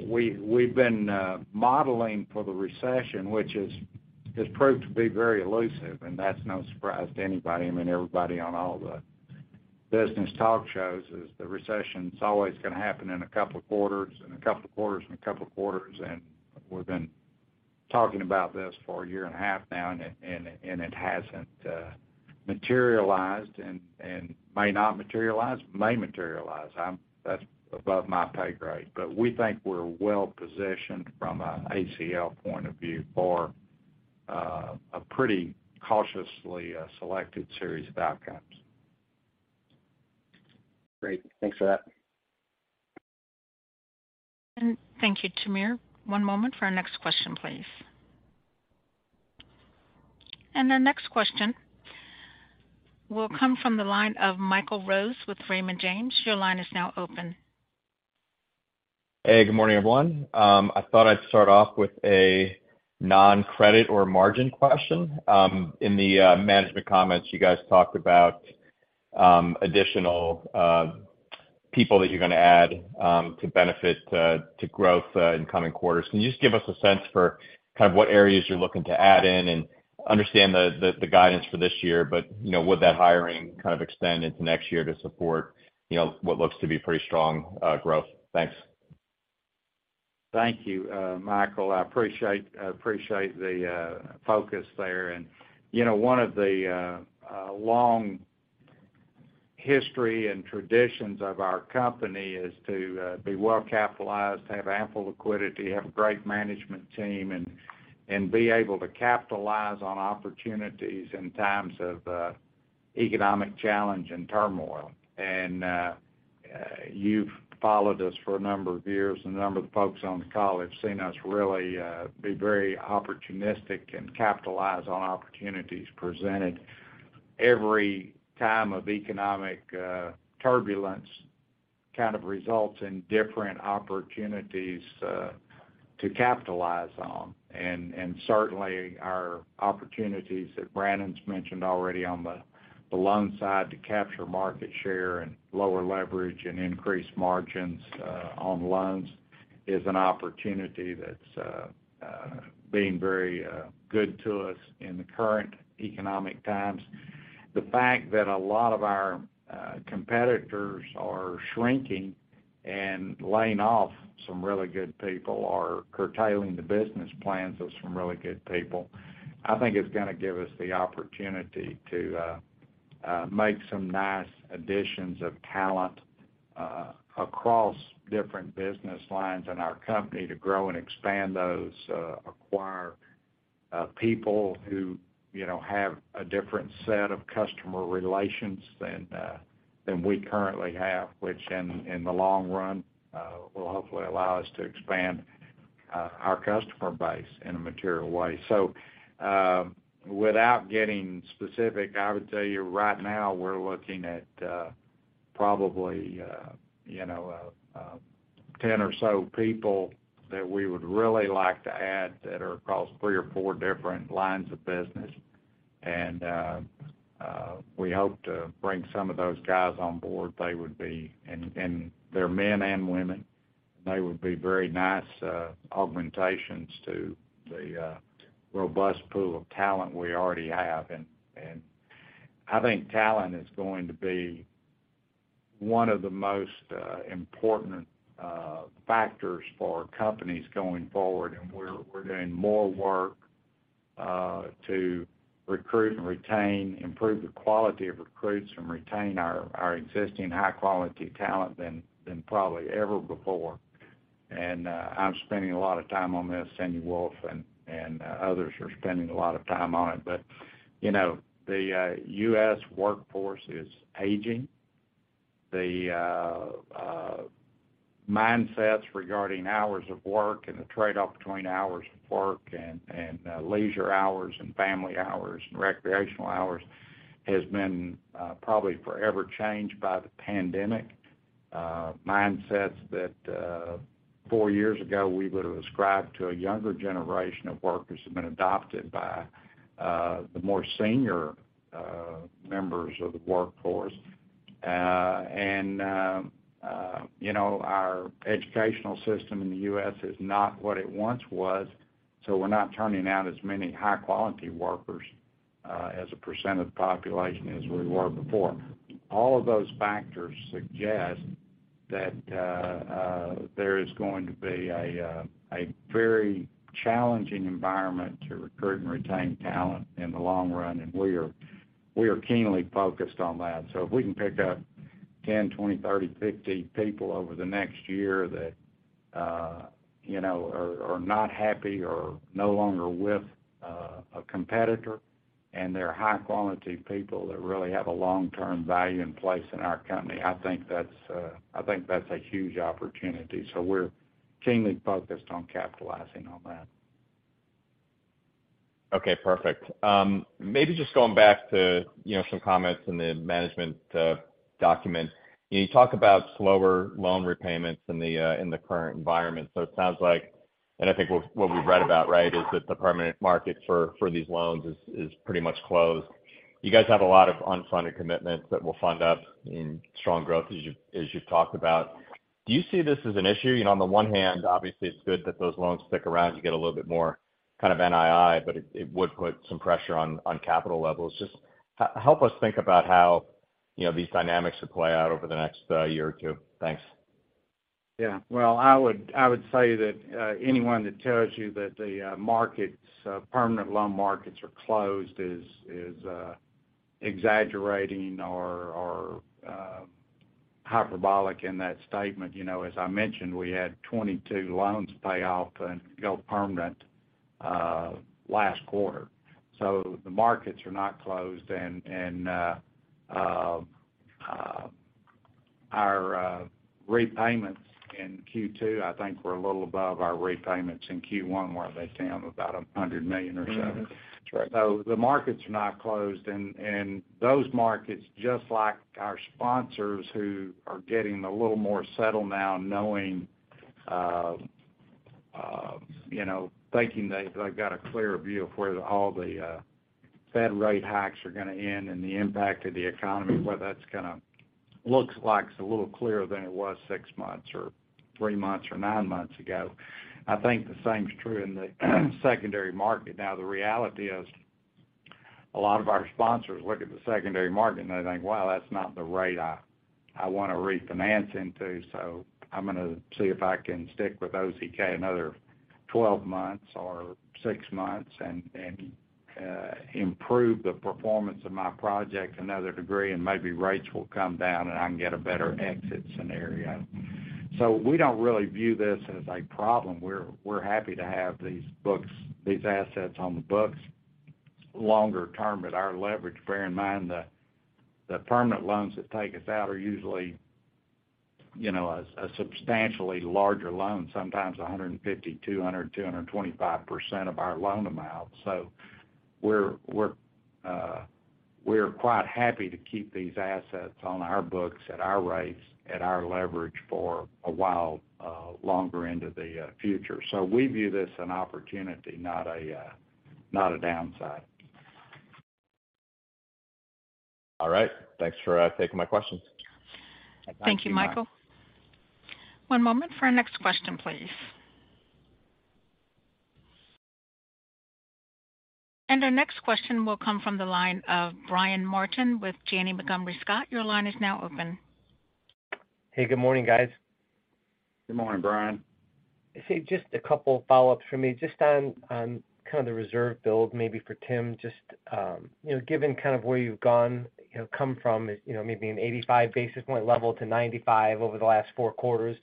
We've been modeling for the recession, which has proved to be very elusive, and that's no surprise to anybody. I mean, everybody on all the business talk shows is the recession's always gonna happen in a couple of quarters, in a couple of quarters, in a couple of quarters, and we've been talking about this for a year and a half now, and it hasn't materialized and may not materialize, may materialize. That's above my pay grade. We think we're well positioned from an ACL point of view for a pretty cautiously selected series of outcomes. Great. Thanks for that. Thank you, Timur. One moment for our next question, please. The next question will come from the line of Michael Rose with Raymond James. Your line is now open. Hey, good morning, everyone. I thought I'd start off with a non-credit or margin question. In the management comments, you guys talked about additional people that you're gonna add to benefit to growth in coming quarters. Can you just give us a sense for kind of what areas you're looking to add in and understand the guidance for this year, but, you know, would that hiring kind of extend into next year to support, you know, what looks to be pretty strong growth? Thanks. Thank you, Michael. I appreciate the focus there. You know, one of the long history and traditions of our company is to be well capitalized, have ample liquidity, have a great management team, and be able to capitalize on opportunities in times of economic challenge and turmoil. You've followed us for a number of years, and a number of the folks on the call have seen us really be very opportunistic and capitalize on opportunities presented. Every time of economic turbulence kind of results in different opportunities to capitalize on. Certainly our opportunities that Brannon's mentioned already on the loan side to capture market share and lower leverage and increase margins on loans is an opportunity that's been very good to us in the current economic times. The fact that a lot of our competitors are shrinking and laying off some really good people or curtailing the business plans of some really good people, I think it's gonna give us the opportunity to make some nice additions of talent across different business lines in our company to grow and expand those, acquire people who, you know, have a different set of customer relations than we currently have, which in the long run, will hopefully allow us to expand our customer base in a material way. Without getting specific, I would tell you right now, we're looking at probably, you know, 10 or so people that we would really like to add that are across three or four different lines of business. We hope to bring some of those guys on board. They would be, and they're men and women, they would be very nice augmentations to the robust pool of talent we already have. I think talent is going to be one of the most important factors for companies going forward, and we're doing more work to recruit and retain, improve the quality of recruits, and retain our existing high-quality talent than probably ever before. I'm spending a lot of time on this, Cindy Wolfe and others are spending a lot of time on it. You know, the U.S. workforce is aging. The mindsets regarding hours of work and the trade-off between hours of work and leisure hours and family hours and recreational hours has been probably forever changed by the pandemic. Mindsets that four years ago, we would have ascribed to a younger generation of workers have been adopted by the more senior members of the workforce. You know, our educational system in the US is not what it once was, so we're not turning out as many high-quality workers as a percentage of the population as we were before. All of those factors suggest that there is going to be a very challenging environment to recruit and retain talent in the long run, and we are keenly focused on that. If we can pick up 10, 20, 30, 50 people over the next year that, you know, are not happy or no longer with a competitor, and they're high-quality people that really have a long-term value and place in our company, I think that's a huge opportunity. We're keenly focused on capitalizing on that. Okay, perfect. Maybe just going back to, you know, some comments in the management document. You talk about slower loan repayments in the current environment. It sounds like, and I think what we've read about, right, is that the permanent market for these loans is pretty much closed. You guys have a lot of unfunded commitments that will fund up in strong growth, as you've talked about. Do you see this as an issue? You know, on the one hand, obviously, it's good that those loans stick around. You get a little bit more kind of NII, but it would put some pressure on capital levels. Just help us think about how, you know, these dynamics will play out over the next year or two. Thanks. Yeah. Well, I would say that anyone that tells you that the markets permanent loan markets are closed is exaggerating or hyperbolic in that statement. You know, as I mentioned, we had 22 loans pay off and go permanent last quarter. The markets are not closed. Our repayments in Q2, I think, were a little above our repayments in Q1, where they came, about $100 million or so. The markets are not closed. Those markets, just like our sponsors, who are getting a little more settled now, knowing, you know, thinking they've got a clearer view of where all the Fed rate hikes are going to end and the impact of the economy. Looks like it's a little clearer than it was six months or three months or nine months ago. I think the same is true in the secondary market. The reality is, a lot of our sponsors look at the secondary market and they think, "Wow, that's not the rate I want to refinance into, I'm going to see if I can stick with OZK another 12 months or six months and improve the performance of my project another degree, and maybe rates will come down, and I can get a better exit scenario." We don't really view this as a problem. We're happy to have these books, these assets on the books longer term at our leverage. Bear in mind, the permanent loans that take us out are usually, you know, a substantially larger loan, sometimes 150%, 200%, 225% of our loan amount. We're quite happy to keep these assets on our books at our rates, at our leverage for a while longer into the future. We view this an opportunity, not a downside. All right. Thanks for taking my questions. Thank you, Mike. Thank you, Michael. One moment for our next question, please. Our next question will come from the line of Brian Martin with Janney Montgomery Scott. Your line is now open. Hey, good morning, guys. Good morning, Brian. Hey, just a couple of follow-ups for me. Just on kind of the reserve build, maybe for Tim, just, you know, given kind of where you've gone, you know, come from, you know, maybe an 85 basis points level to 95 over the last four quarters,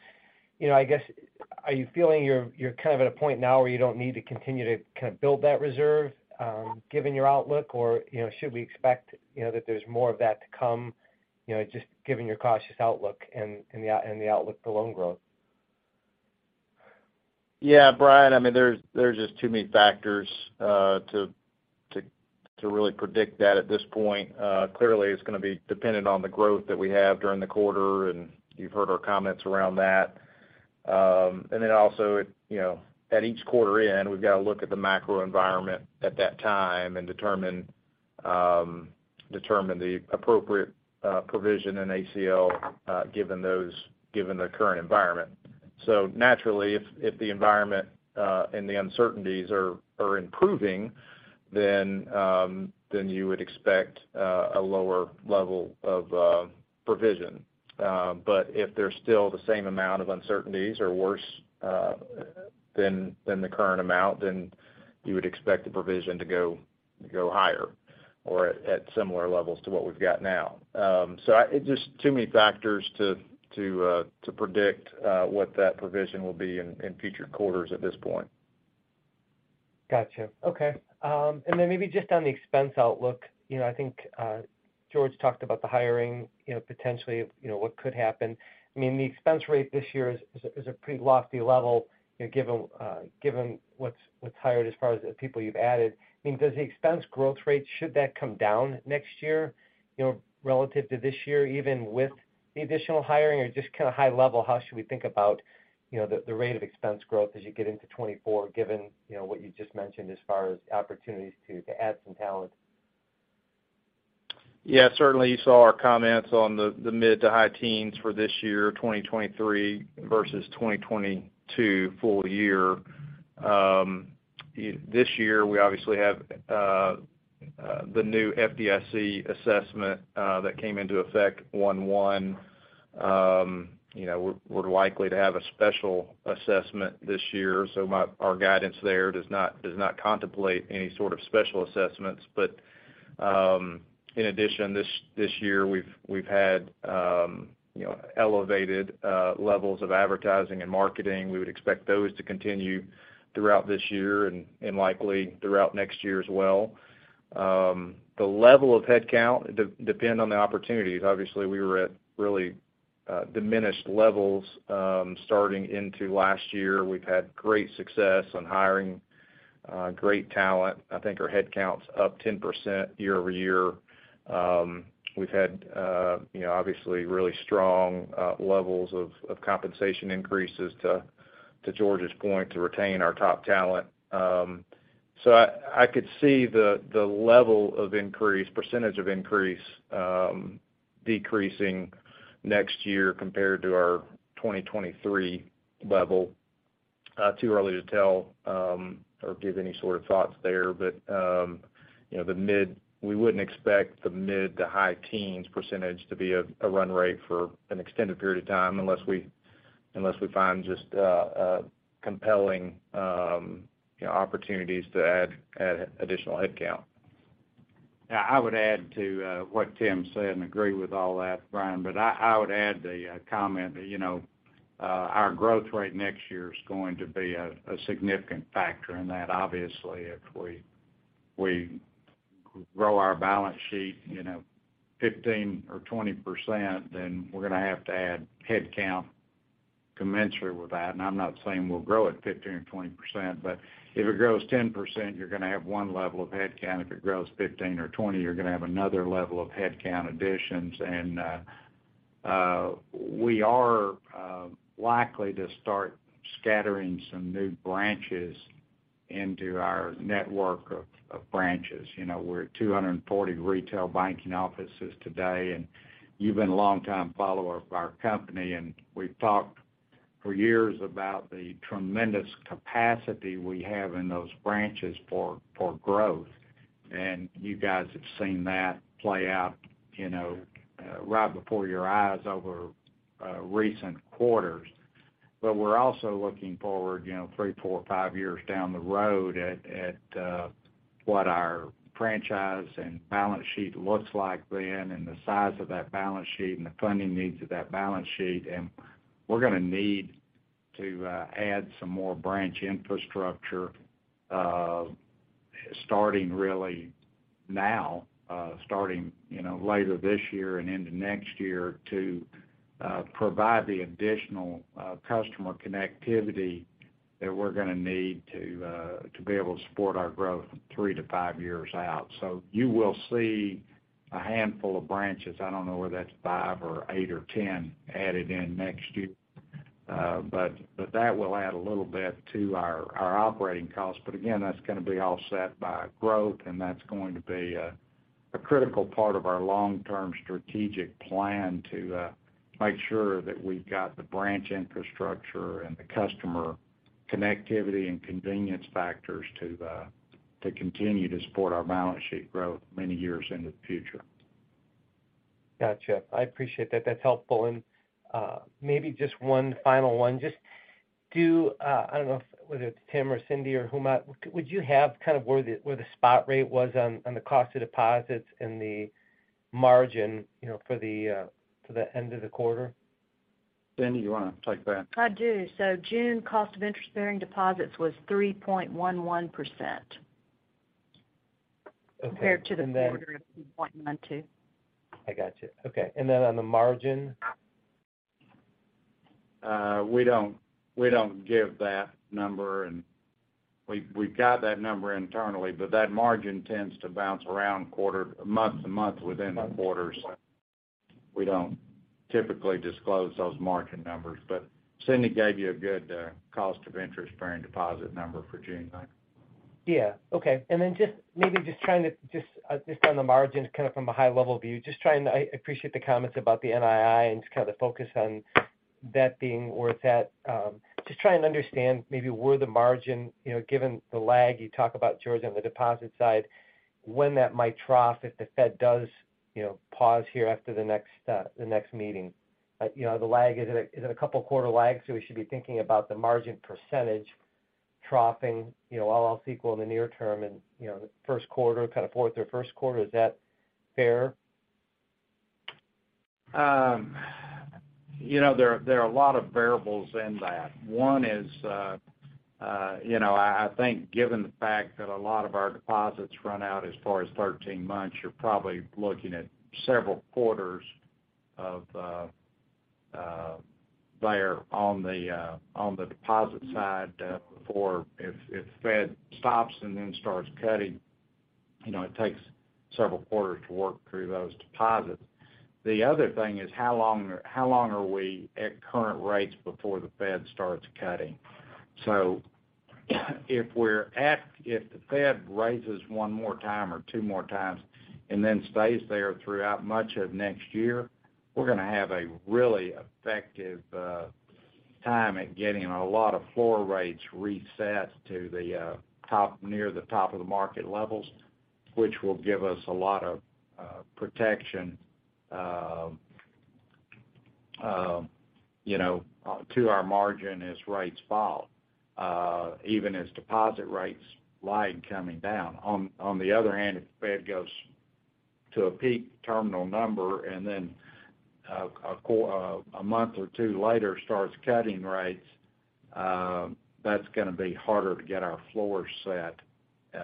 you know, I guess, are you feeling you're kind of at a point now where you don't need to continue to kind of build that reserve, given your outlook? Or, you know, should we expect, you know, that there's more of that to come, you know, just given your cautious outlook and the outlook for loan growth? Yeah, Brian, I mean, there's just too many factors to really predict that at this point. Clearly, it's going to be dependent on the growth that we have during the quarter. You've heard our comments around that. Then also it, you know, at each quarter end, we've got to look at the macro environment at that time and determine the appropriate provision in ACL given the current environment. Naturally, if the environment and the uncertainties are improving, then you would expect a lower level of provision. If there's still the same amount of uncertainties or worse than the current amount, then you would expect the provision to go higher or at similar levels to what we've got now. it's just too many factors to predict what that provision will be in future quarters at this point. Gotcha. Okay. Then maybe just on the expense outlook, you know, I think George talked about the hiring, you know, potentially, you know, what could happen. I mean, the expense rate this year is a pretty lofty level, you know, given what's hired as far as the people you've added. I mean, does the expense growth rate, should that come down next year, you know, relative to this year, even with the additional hiring? Just kind of high level, how should we think about, you know, the rate of expense growth as you get into 2024, given, you know, what you just mentioned as far as opportunities to add some talent? Certainly, you saw our comments on the mid to high teens for this year, 2023, versus 2022 full year. This year, we obviously have the new FDIC assessment that came into effect 1/1. You know, we're likely to have a special assessment this year, so our guidance there does not contemplate any sort of special assessments. In addition, this year, we've had, you know, elevated levels of advertising and marketing. We would expect those to continue throughout this year and likely throughout next year as well. The level of headcount depend on the opportunities. Obviously, we were at really diminished levels starting into last year. We've had great success on hiring great talent. I think our headcount's up 10% year-over-year. We've had, you know, obviously, really strong levels of compensation increases, to George's point, to retain our top talent. I could see the level of increase, percentage of increase, decreasing next year compared to our 2023 level. Too early to tell, or give any sort of thoughts there. You know, we wouldn't expect the mid to high teens % to be a run rate for an extended period of time unless we find just a compelling, you know, opportunities to add additional headcount. Yeah, I would add to what Tim Hicks said and agree with all that, Brian Martin, but I would add the comment that, you know, our growth rate next year is going to be a significant factor in that. Obviously, if we grow our balance sheet, you know, 15% or 20%, then we're gonna have to add headcount commensurate with that. I'm not saying we'll grow at 15% or 20%, but if it grows 10%, you're gonna have 1 level of headcount. If it grows 15% or 20%, you're gonna have another level of headcount additions. We are likely to start scattering some new branches into our network of branches. You know, we're at 240 retail banking offices today, and you've been a longtime follower of our company, and we've talked for years about the tremendous capacity we have in those branches for growth. You guys have seen that play out, you know, right before your eyes over recent quarters. We're also looking forward, you know, three, four, five years down the road at what our franchise and balance sheet looks like then, and the size of that balance sheet, and the funding needs of that balance sheet. We're gonna need to add some more branch infrastructure, starting really now, starting, you know, later this year and into next year, to provide the additional customer connectivity that we're gonna need to be able to support our growth three to five years out. You will see a handful of branches, I don't know whether that's five, or, eight, or 10, added in next year. But that will add a little bit to our operating costs. Again, that's gonna be offset by growth, and that's going to be a critical part of our long-term strategic plan to make sure that we've got the branch infrastructure and the customer connectivity and convenience factors to continue to support our balance sheet growth many years into the future. Gotcha. I appreciate that. That's helpful. Maybe just one final one. Just do, I don't know if whether it's Tim or Cindy or whomever, would you have kind of where the, where the spot rate was on the cost of deposits and the margin, you know, for the end of the quarter? Cindy, you want to take that? I do. June cost of interest-bearing deposits was 3.11%. Okay. Compared to the quarter of 3.12. I gotcha. Okay, on the margin? We don't give that number. We've got that number internally, but that margin tends to bounce around quarter, month to month within the quarters. We don't typically disclose those margin numbers, but Cindy gave you a good cost of interest-bearing deposit number for June, right? Yeah. Okay. Just maybe just trying to, just on the margins, kind of from a high-level view, I appreciate the comments about the NII and just kind of the focus on that being worth it. Just try and understand maybe where the margin, you know, given the lag you talk about George, on the deposit side, when that might trough, if the Fed does, you know, pause here after the next, the next meeting, you know, the lag, is it a couple quarter lag, so we should be thinking about the margin percentage troughing, you know, all else equal in the near term and, you know, the first quarter, kind of fourth or first quarter, is that fair? You know, there are a lot of variables in that. One is, you know, I think given the fact that a lot of our deposits run out as far as 13 months, you're probably looking at several quarters of, there on the, on the deposit side, before if the Fed stops and then starts cutting, you know, it takes several quarters to work through those deposits. The other thing is how long are we at current rates before the Fed starts cutting? If the Fed raises one more time or two more times, and then stays there throughout much of next year, we're gonna have a really effective time at getting a lot of floor rates reset to the top, near the top of the market levels, which will give us a lot of protection, you know, to our margin as rates fall, even as deposit rates lag coming down. The other hand, if the Fed goes to a peak terminal number and then a month or two later starts cutting rates, that's gonna be harder to get our floor set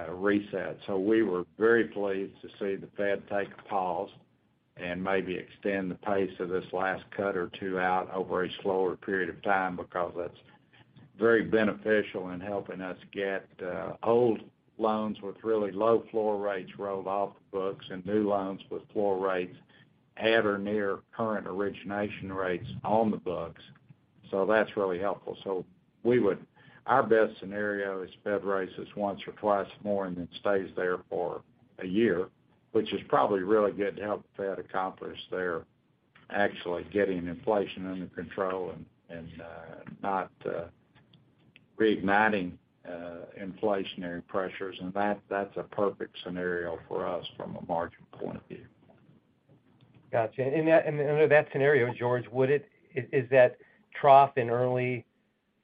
reset. We were very pleased to see the Fed take a pause and maybe extend the pace of this last cut or 2 out over a slower period of time, because that's very beneficial in helping us get old loans with really low floor rates rolled off the books and new loans with floor rates at or near current origination rates on the books. That's really helpful. Our best scenario is Fed raises once or twice more and then stays there for a year, which is probably really good to help the Fed accomplish their actually getting inflation under control and not reigniting inflationary pressures. That, that's a perfect scenario for us from a margin point of view. Gotcha. That, and under that scenario, George, would it is that trough in early,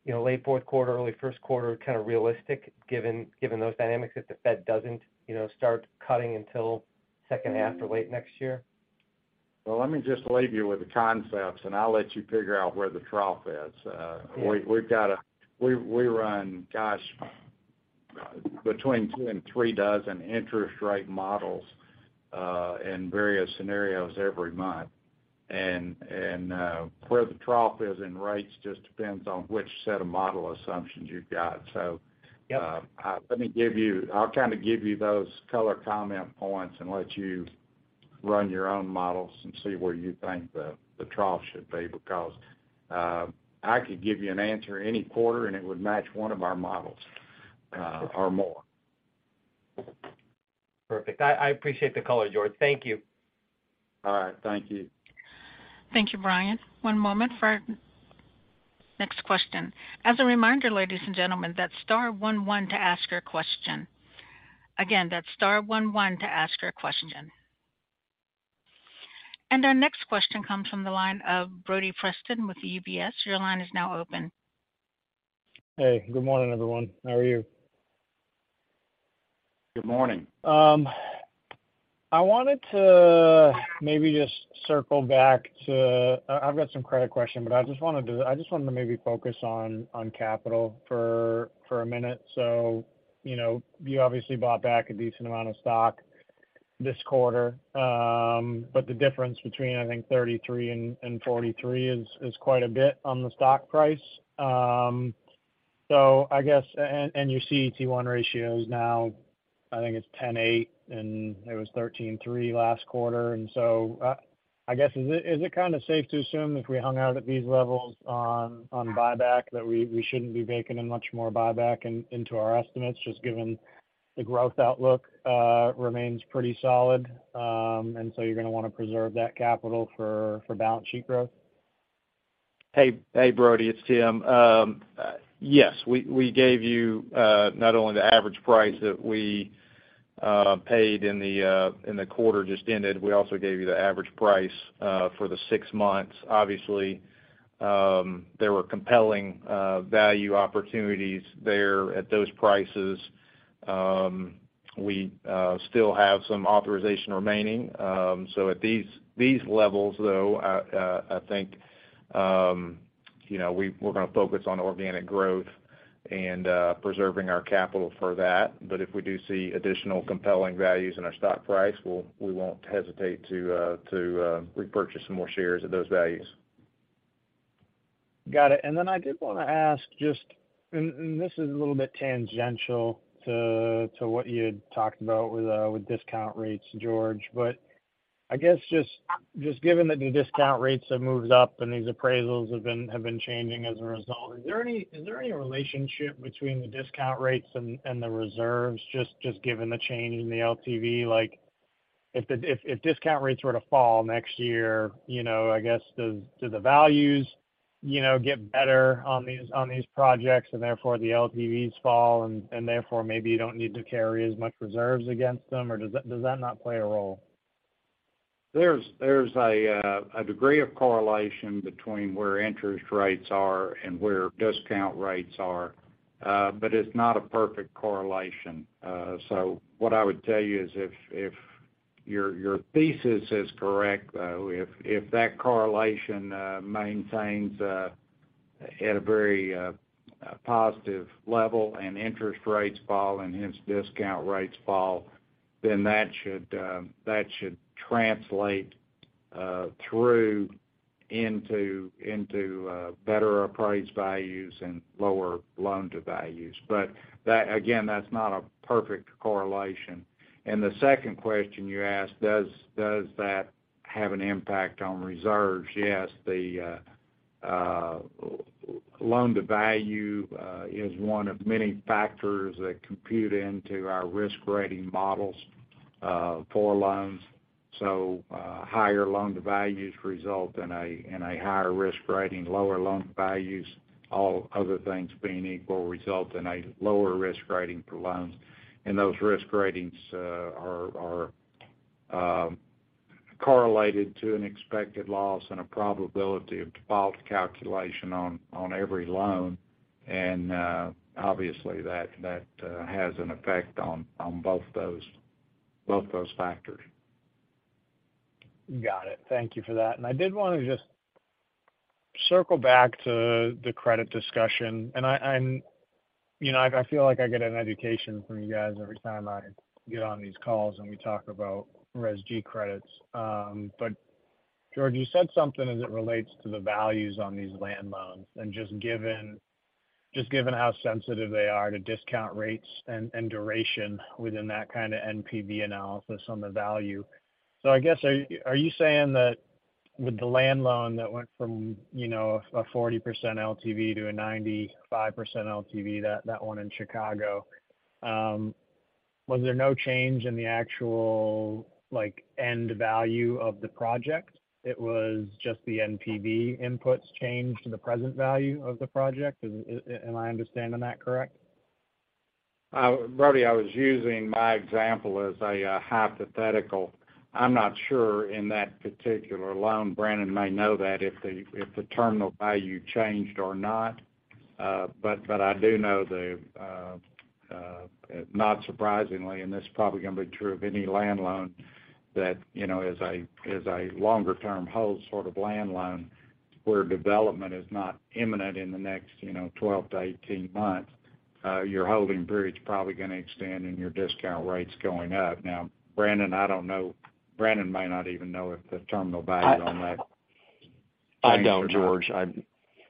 you know, late fourth quarter, early first quarter kind of realistic, given those dynamics, if the Fed doesn't, you know, start cutting until second half or late next year? Well, let me just leave you with the concepts, and I'll let you figure out where the trough is. Yeah. We run, gosh, between two and three dozen interest rate models and various scenarios every month. Where the trough is in rates just depends on which set of model assumptions you've got. Yep. I'll kind of give you those color comment points and let you run your own models and see where you think the trough should be, because I could give you an answer any quarter, and it would match one of our models, or more. Perfect. I appreciate the color, George. Thank you. All right. Thank you. Thank you, Brian. One moment for next question. As a reminder, ladies and gentlemen, that's star one one to ask a question. Again, that's star one one to ask a question. Our next question comes from the line of Brodie Preston with UBS. Your line is now open. Hey, good morning, everyone. How are you? Good morning. I wanted to maybe just circle back to-- I've got some credit question, but I wanted to maybe focus on capital for a minute. You know, you obviously bought back a decent amount of stock this quarter, but the difference between, I think, 33 and 43 is quite a bit on the stock price. I guess, and your CET1 ratio is now, I think it's 10.8%, and it was 13.3% last quarter. I guess, is it kind of safe to assume if we hung out at these levels on buyback, that we shouldn't be baking in much more buyback into our estimates, just given the growth outlook, remains pretty solid, and so you're gonna wanna preserve that capital for balance sheet growth? Hey, hey, Brodie, it's Tim. Yes, we gave you not only the average price that we paid in the quarter just ended, we also gave you the average price for the six months. Obviously, there were compelling value opportunities there at those prices. We still have some authorization remaining. At these levels, though, I think, you know, we're gonna focus on organic growth and preserving our capital for that. If we do see additional compelling values in our stock price, we won't hesitate to repurchase some more shares at those values. Got it. I did want to ask just, and this is a little bit tangential to what you had talked about with discount rates, George. I guess just given that the discount rates have moved up and these appraisals have been changing as a result, is there any relationship between the discount rates and the reserves, just given the change in the LTV? Like, if discount rates were to fall next year, you know, I guess, do the values, you know, get better on these, on these projects, and therefore the LTVs fall, and therefore, maybe you don't need to carry as much reserves against them? Or does that not play a role? There's a degree of correlation between where interest rates are and where discount rates are. It's not a perfect correlation. What I would tell you is if your thesis is correct, though, if that correlation maintains at a very positive level, and interest rates fall, and hence discount rates fall, then that should translate through into better appraised values and lower loan to values. That again, that's not a perfect correlation. The second question you asked, does that have an impact on reserves? Yes, the loan to value is one of many factors that compute into our risk rating models for loans. Higher loan to values result in a higher risk rating. Lower loan values, all other things being equal, result in a lower risk rating for loans. Those risk ratings, are correlated to an expected loss and a probability of default calculation on every loan. Obviously, that has an effect on both those factors. Got it. Thank you for that. I did want to just circle back to the credit discussion. I, you know, I feel like I get an education from you guys every time I get on these calls, and we talk about RESG credits. George, you said something as it relates to the values on these land loans and just given, just given how sensitive they are to discount rates and duration within that kind of NPV analysis on the value. I guess, are you saying that with the land loan that went from, you know, a 40% LTV to a 95% LTV, that one in Chicago, was there no change in the actual, like, end value of the project? It was just the NPV inputs changed to the present value of the project. Am I understanding that correct? Brody, I was using my example as a hypothetical. I'm not sure in that particular loan, Brannon may know that, if the, if the terminal value changed or not. But I do know the- not surprisingly, and this is probably going to be true of any land loan, that, you know, as a longer term hold sort of land loan, where development is not imminent in the next, you know, 12-18 months, uh, your holding period is probably going to extend and your discount rate's going up. Now, Brannon, I don't know-- Brannon may not even know if the terminal value on that- I don't, George.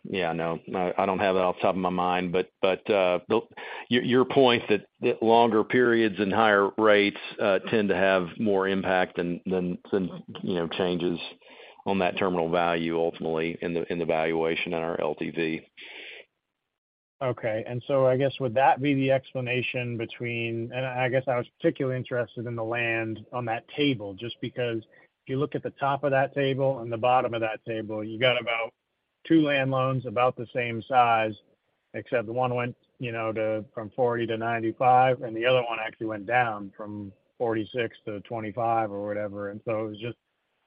Yeah, no, I don't have it off the top of my mind. Your point that longer periods and higher rates tend to have more impact than, you know, changes on that terminal value ultimately in the valuation on our LTV. Okay. I guess, would that be the explanation between-- I guess I was particularly interested in the land on that table, just because if you look at the top of that table and the bottom of that table, you got about two land loans about the same size, except the one went, you know, to, from 40 to 95, and the other one actually went down from 46 to 25 or whatever. It was just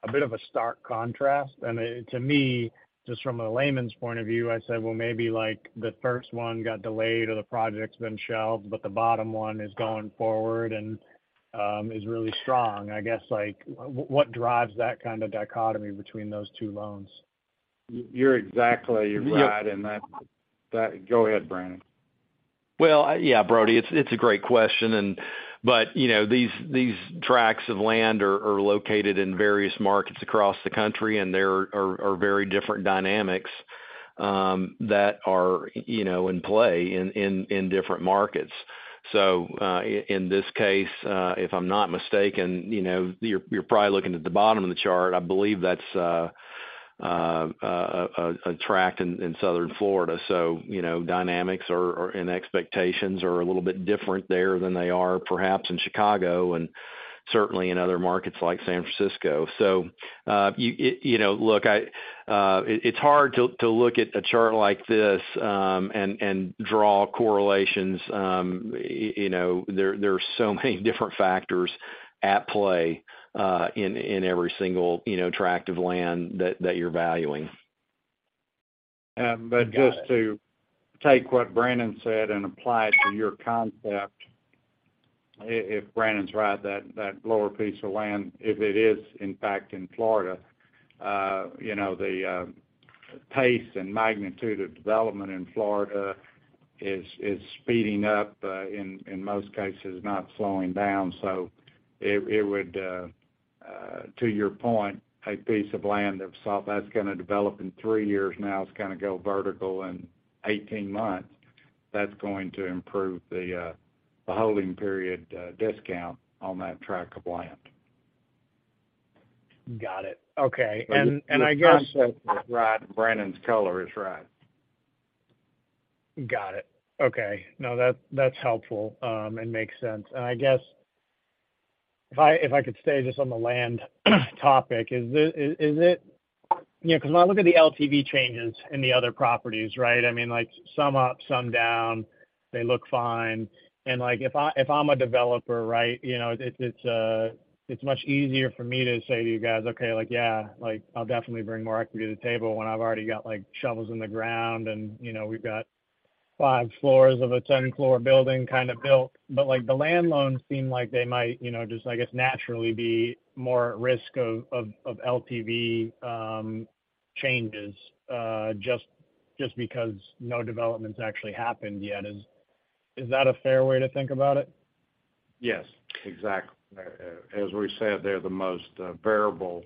a bit of a stark contrast. To me, just from a layman's point of view, I said, "Well, maybe, like, the first one got delayed or the project's been shelved, but the bottom one is going forward and, is really strong." I guess, like, what drives that kind of dichotomy between those two loans? You're exactly right in that. Go ahead, Brannon. Well, yeah, Brody, it's a great question. you know, these tracts of land are located in various markets across the country, and there are very different dynamics that are, you know, in play in different markets. in this case, if I'm not mistaken, you know, you're probably looking at the bottom of the chart. I believe that's a tract in southern Florida. you know, dynamics are and expectations are a little bit different there than they are perhaps in Chicago and certainly in other markets like San Francisco. you know, look, I, it's hard to look at a chart like this and draw correlations. you know, there are so many different factors at play, in every single, you know, tract of land that you're valuing. Got it. Just to take what Brannon said and apply it to your concept, if Brannon's right, that lower piece of land, if it is, in fact, in Florida, you know, the pace and magnitude of development in Florida is speeding up in most cases, not slowing down. It would to your point, a piece of land that's going to develop in three years now, it's going to go vertical in 18 months, that's going to improve the holding period discount on that tract of land. Got it. Okay. I guess-- The concept is right. Brannon's color is right. Got it. Okay. No, that's helpful, and makes sense. I guess, if I could stay just on the land topic, is it? You know, because when I look at the LTV changes in the other properties, right? I mean, like, some up, some down, they look fine. Like, if I'm a developer, right, you know, it's, it's much easier for me to say to you guys, "Okay, like, yeah, like, I'll definitely bring more equity to the table when I've already got, like, shovels in the ground, and, you know, we've got five floors of a 10-floor building kind of built." Like, the land loans seem like they might, you know, just, I guess, naturally be more at risk of LTV changes, just because no development's actually happened yet. Is that a fair way to think about it? Yes, exactly. As we said, they're the most variable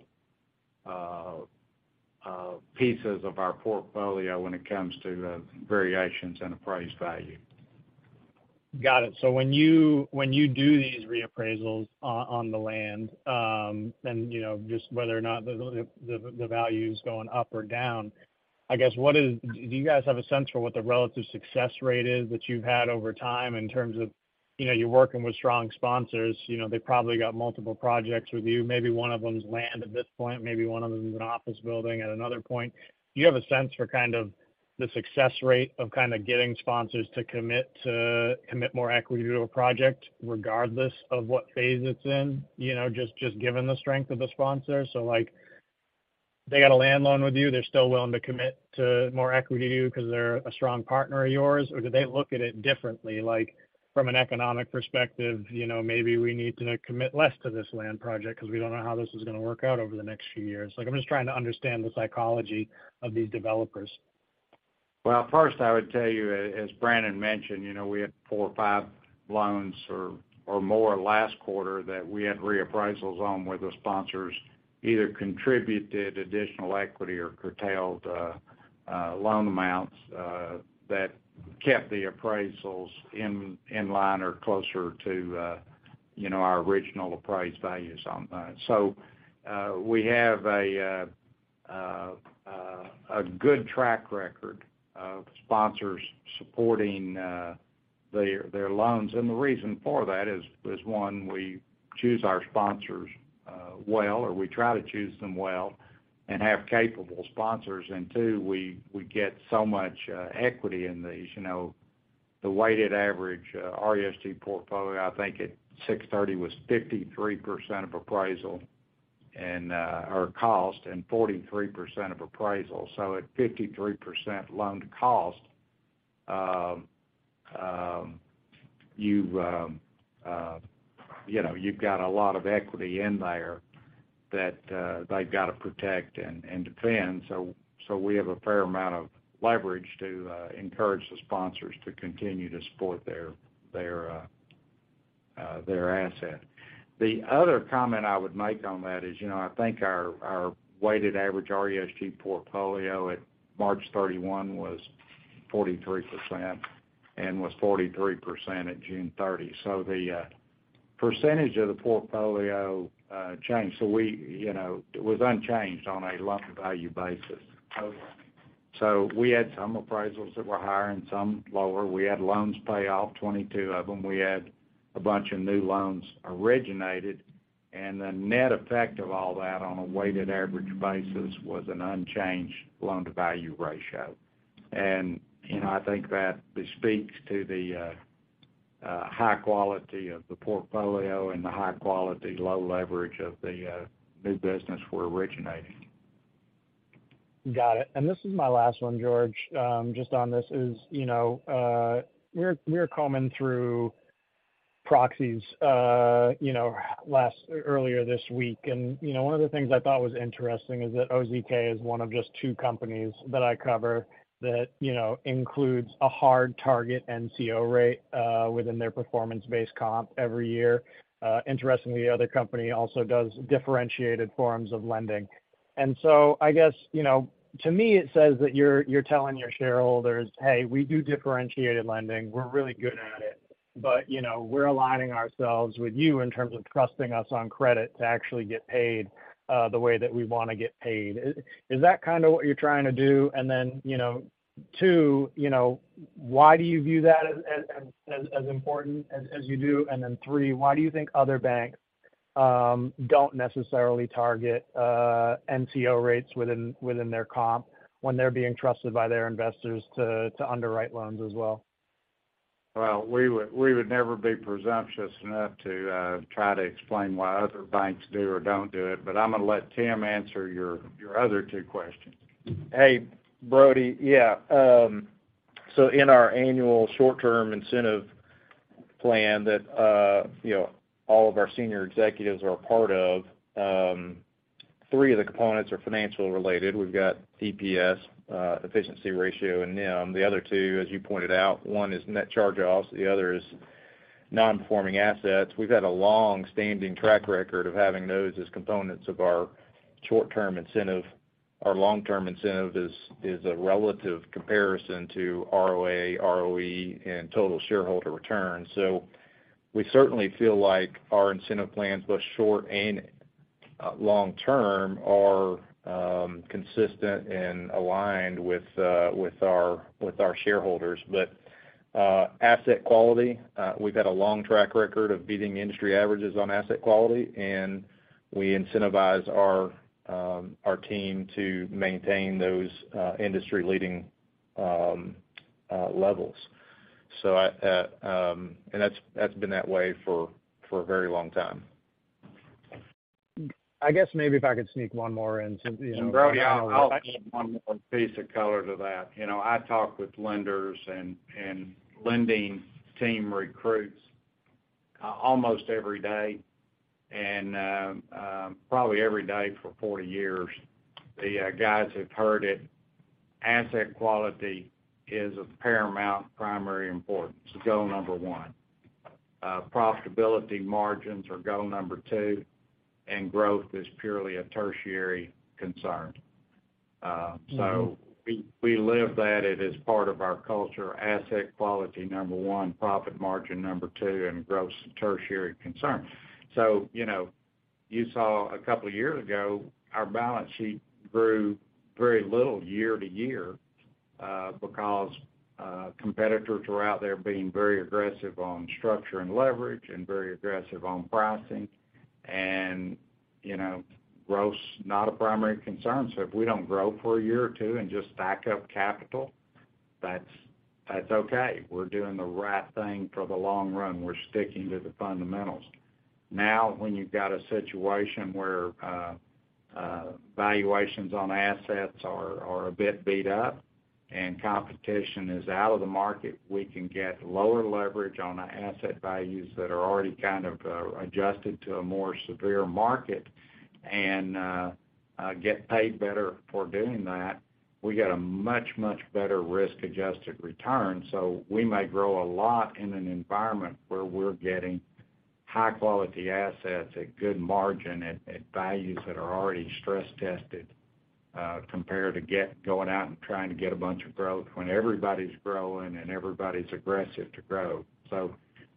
pieces of our portfolio when it comes to variations in appraised value. Got it. When you, when you do these reappraisals on the land, then, you know, just whether or not the, the value is going up or down, I guess, what do you guys have a sense for what the relative success rate is that you've had over time in terms of, you know, you're working with strong sponsors, you know, they probably got multiple projects with you. Maybe one of them is land at this point, maybe one of them is an office building at another point. Do you have a sense for kind of the success rate of kind of getting sponsors to commit more equity to a project, regardless of what phase it's in, you know, just given the strength of the sponsor? Like, they got a land loan with you, they're still willing to commit to more equity to you because they're a strong partner of yours. Do they look at it differently, like from an economic perspective, you know, maybe we need to commit less to this land project because we don't know how this is going to work out over the next few years? Like, I'm just trying to understand the psychology of these developers. First, I would tell you, as Brannon mentioned, you know, we had four or five loans or more last quarter that we had reappraisals on, where the sponsors either contributed additional equity or curtailed loan amounts that kept the appraisals in line or closer to, you know, our original appraised values on those. We have a good track record of sponsors supporting their loans. The reason for that is one, we choose our sponsors well, or we try to choose them well and have capable sponsors. Two, we get so much equity in these. You know, the weighted average RESG portfolio, I think at six thirty was 53% of appraisal and or cost, and 43% of appraisal. At 53% loan cost, you've, you know, you've got a lot of equity in there that they've got to protect and defend. We have a fair amount of leverage to encourage the sponsors to continue to support their asset. The other comment I would make on that is, you know, I think our weighted average RESG portfolio at March 31 was 43% and was 43% at June 30. The percentage of the portfolio changed. We, you know, it was unchanged on a loan-to-value basis. We had some appraisals that were higher and some lower. We had loans pay off, 22 of them. We had a bunch of new loans originated, and the net effect of all that on a weighted average basis was an unchanged loan-to-value ratio. You know, I think that speaks to the high quality of the portfolio and the high quality, low leverage of the new business we're originating. Got it. This is my last one, George. Just on this is, you know, we were combing through proxies, you know, earlier this week. One of the things I thought was interesting is that OZK is one of just two companies that I cover that, you know, includes a hard target NCO rate within their performance-based comp every year. Interestingly, the other company also does differentiated forms of lending. I guess, you know, to me, it says that you're telling your shareholders: Hey, we do differentiated lending. We're really good at it, but, you know, we're aligning ourselves with you in terms of trusting us on credit to actually get paid, the way that we want to get paid. Is that kind of what you're trying to do? You know, two, you know, why do you view that as important as you do? Three, why do you think other banks don't necessarily target NCO rates within their comp when they're being trusted by their investors to underwrite loans as well? Well, we would never be presumptuous enough to try to explain why other banks do or don't do it, but I'm going to let Tim answer your other two questions. Hey, Brody. Yeah, in our annual short-term incentive plan that, you know, all of our senior executives are a part of, three of the components are financial related. We've got EPS, efficiency ratio, and NIM. The other two, as you pointed out, one is net charge-offs, the other is non-performing assets. We've had a long-standing track record of having those as components of our short-term incentive. Our long-term incentive is a relative comparison to ROA, ROE, and total shareholder return. We certainly feel like our incentive plans, both short and long-term, are consistent and aligned with our, with our shareholders. Asset quality, we've had a long track record of beating industry averages on asset quality, and we incentivize our team to maintain those industry-leading levels. That's been that way for a very long time. I guess maybe if I could sneak one more in, so, you know-- Brody, I'll add one more piece of color to that. You know, I talk with lenders and lending team recruits, almost every day, and, probably every day for 40 years. The guys have heard it. Asset quality is of paramount, primary importance. Goal number two. Profitability margins are goal number two, and growth is purely a tertiary concern. We, we live that. It is part of our culture. Asset quality, number two, profit margin, number two, and growth's a tertiary concern. You know, you saw a couple of years ago, our balance sheet grew very little year to year, because competitors were out there being very aggressive on structure and leverage and very aggressive on pricing. You know, growth's not a primary concern. If we don't grow for a year or two and just stack up capital, that's okay. We're doing the right thing for the long run. We're sticking to the fundamentals. When you've got a situation where valuations on assets are a bit beat up and competition is out of the market, we can get lower leverage on the asset values that are already kind of adjusted to a more severe market and get paid better for doing that. We get a much better risk-adjusted return. We may grow a lot in an environment where we're getting high-quality assets at good margin, at values that are already stress-tested compared to going out and trying to get a bunch of growth when everybody's growing and everybody's aggressive to grow.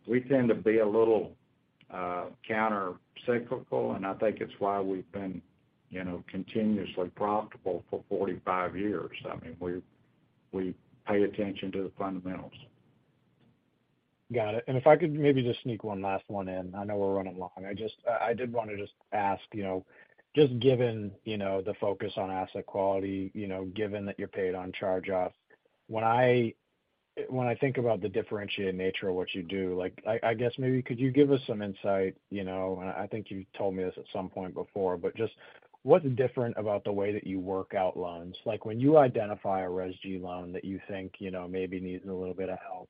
We tend to be a little countercyclical, and I think it's why we've been, you know, continuously profitable for 45 years. I mean, we pay attention to the fundamentals. Got it. If I could maybe just sneak one last one in. I know we're running long. I just, I did want to just ask, you know, just given, you know, the focus on asset quality, you know, given that you're paid on charge-offs, when I, when I think about the differentiated nature of what you do, like, I guess maybe could you give us some insight, you know, and I think you told me this at some point before, but just what's different about the way that you work out loans? Like, when you identify a RESG loan that you think, you know, maybe needs a little bit of help,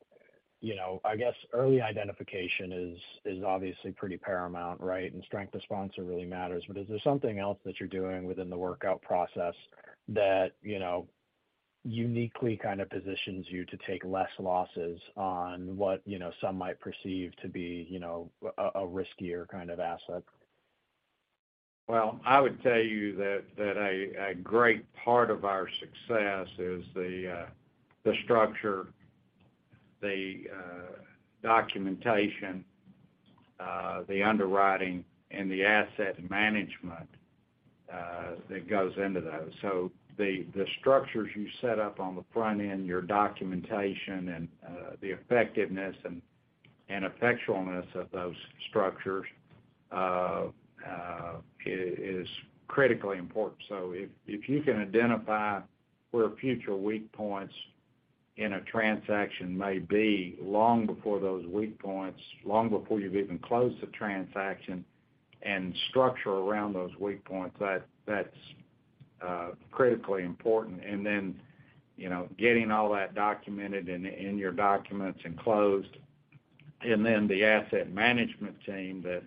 you know, I guess early identification is obviously pretty paramount, right? Strength of sponsor really matters. Is there something else that you're doing within the workout process that, you know, uniquely kind of positions you to take less losses on what, you know, some might perceive to be, you know, a riskier kind of asset? I would tell you that a great part of our success is the structure, the documentation, the underwriting, and the asset management that goes into those. The structures you set up on the front end, your documentation, and the effectiveness and effectualness of those structures is critically important. If you can identify where future weak points in a transaction may be, long before those weak points, long before you've even closed the transaction and structure around those weak points, that's critically important. You know, getting all that documented and in your documents and closed. The asset management team that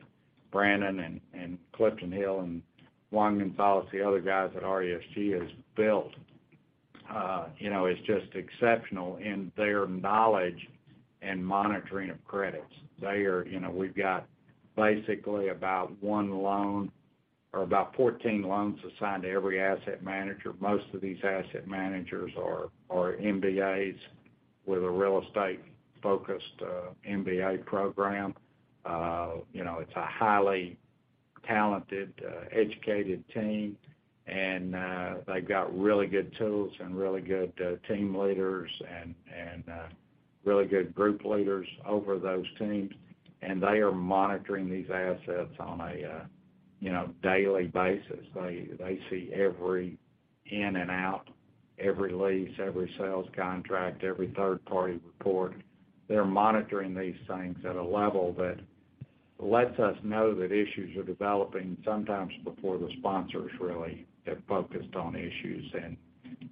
Brannon, and Clifton Hill, and Juan Gonzalez, the other guys at RESG has built, you know, is just exceptional in their knowledge and monitoring of credits. They are, you know, we've got basically about one loan or about 14 loans assigned to every asset manager. Most of these asset managers are MBAs with a real estate-focused MBA program. You know, it's a highly talented, educated team, and they've got really good tools and really good team leaders and really good group leaders over those teams. They are monitoring these assets on a, you know, daily basis. They see every in and out, every lease, every sales contract, every third-party report. They're monitoring these things at a level that lets us know that issues are developing, sometimes before the sponsors really get focused on issues.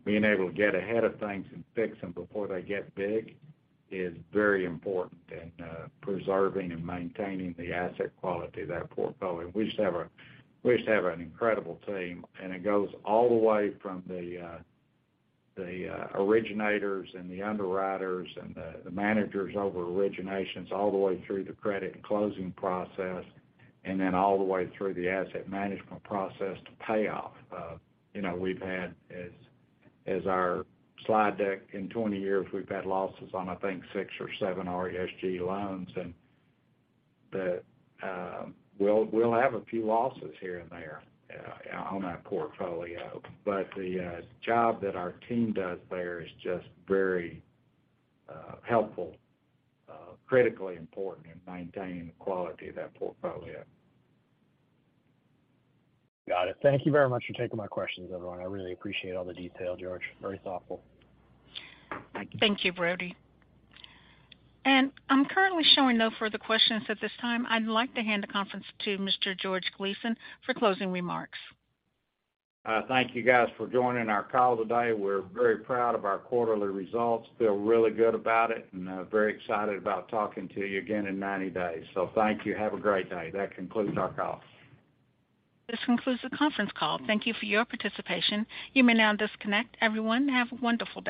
Being able to get ahead of things and fix them before they get big is very important in preserving and maintaining the asset quality of that portfolio. We just have an incredible team. It goes all the way from the originators and the underwriters and the managers over originations, all the way through the credit and closing process. Then all the way through the asset management process to payoff. You know, we've had, as our slide deck, in 20 years, we've had losses on, I think, six or seven RESG loans, and the. We'll have a few losses here and there on that portfolio. But the job that our team does there is just very helpful, critically important in maintaining the quality of that portfolio. Got it. Thank you very much for taking my questions, everyone. I really appreciate all the detail, George. Very thoughtful. Thank you, Brody. I'm currently showing no further questions at this time. I'd like to hand the conference to Mr. George Gleason for closing remarks. Thank you guys for joining our call today. We're very proud of our quarterly results. Feel really good about it, and very excited about talking to you again in 90 days. Thank you. Have a great day. That concludes our call. This concludes the conference call. Thank you for your participation. You may now disconnect. Everyone, have a wonderful day.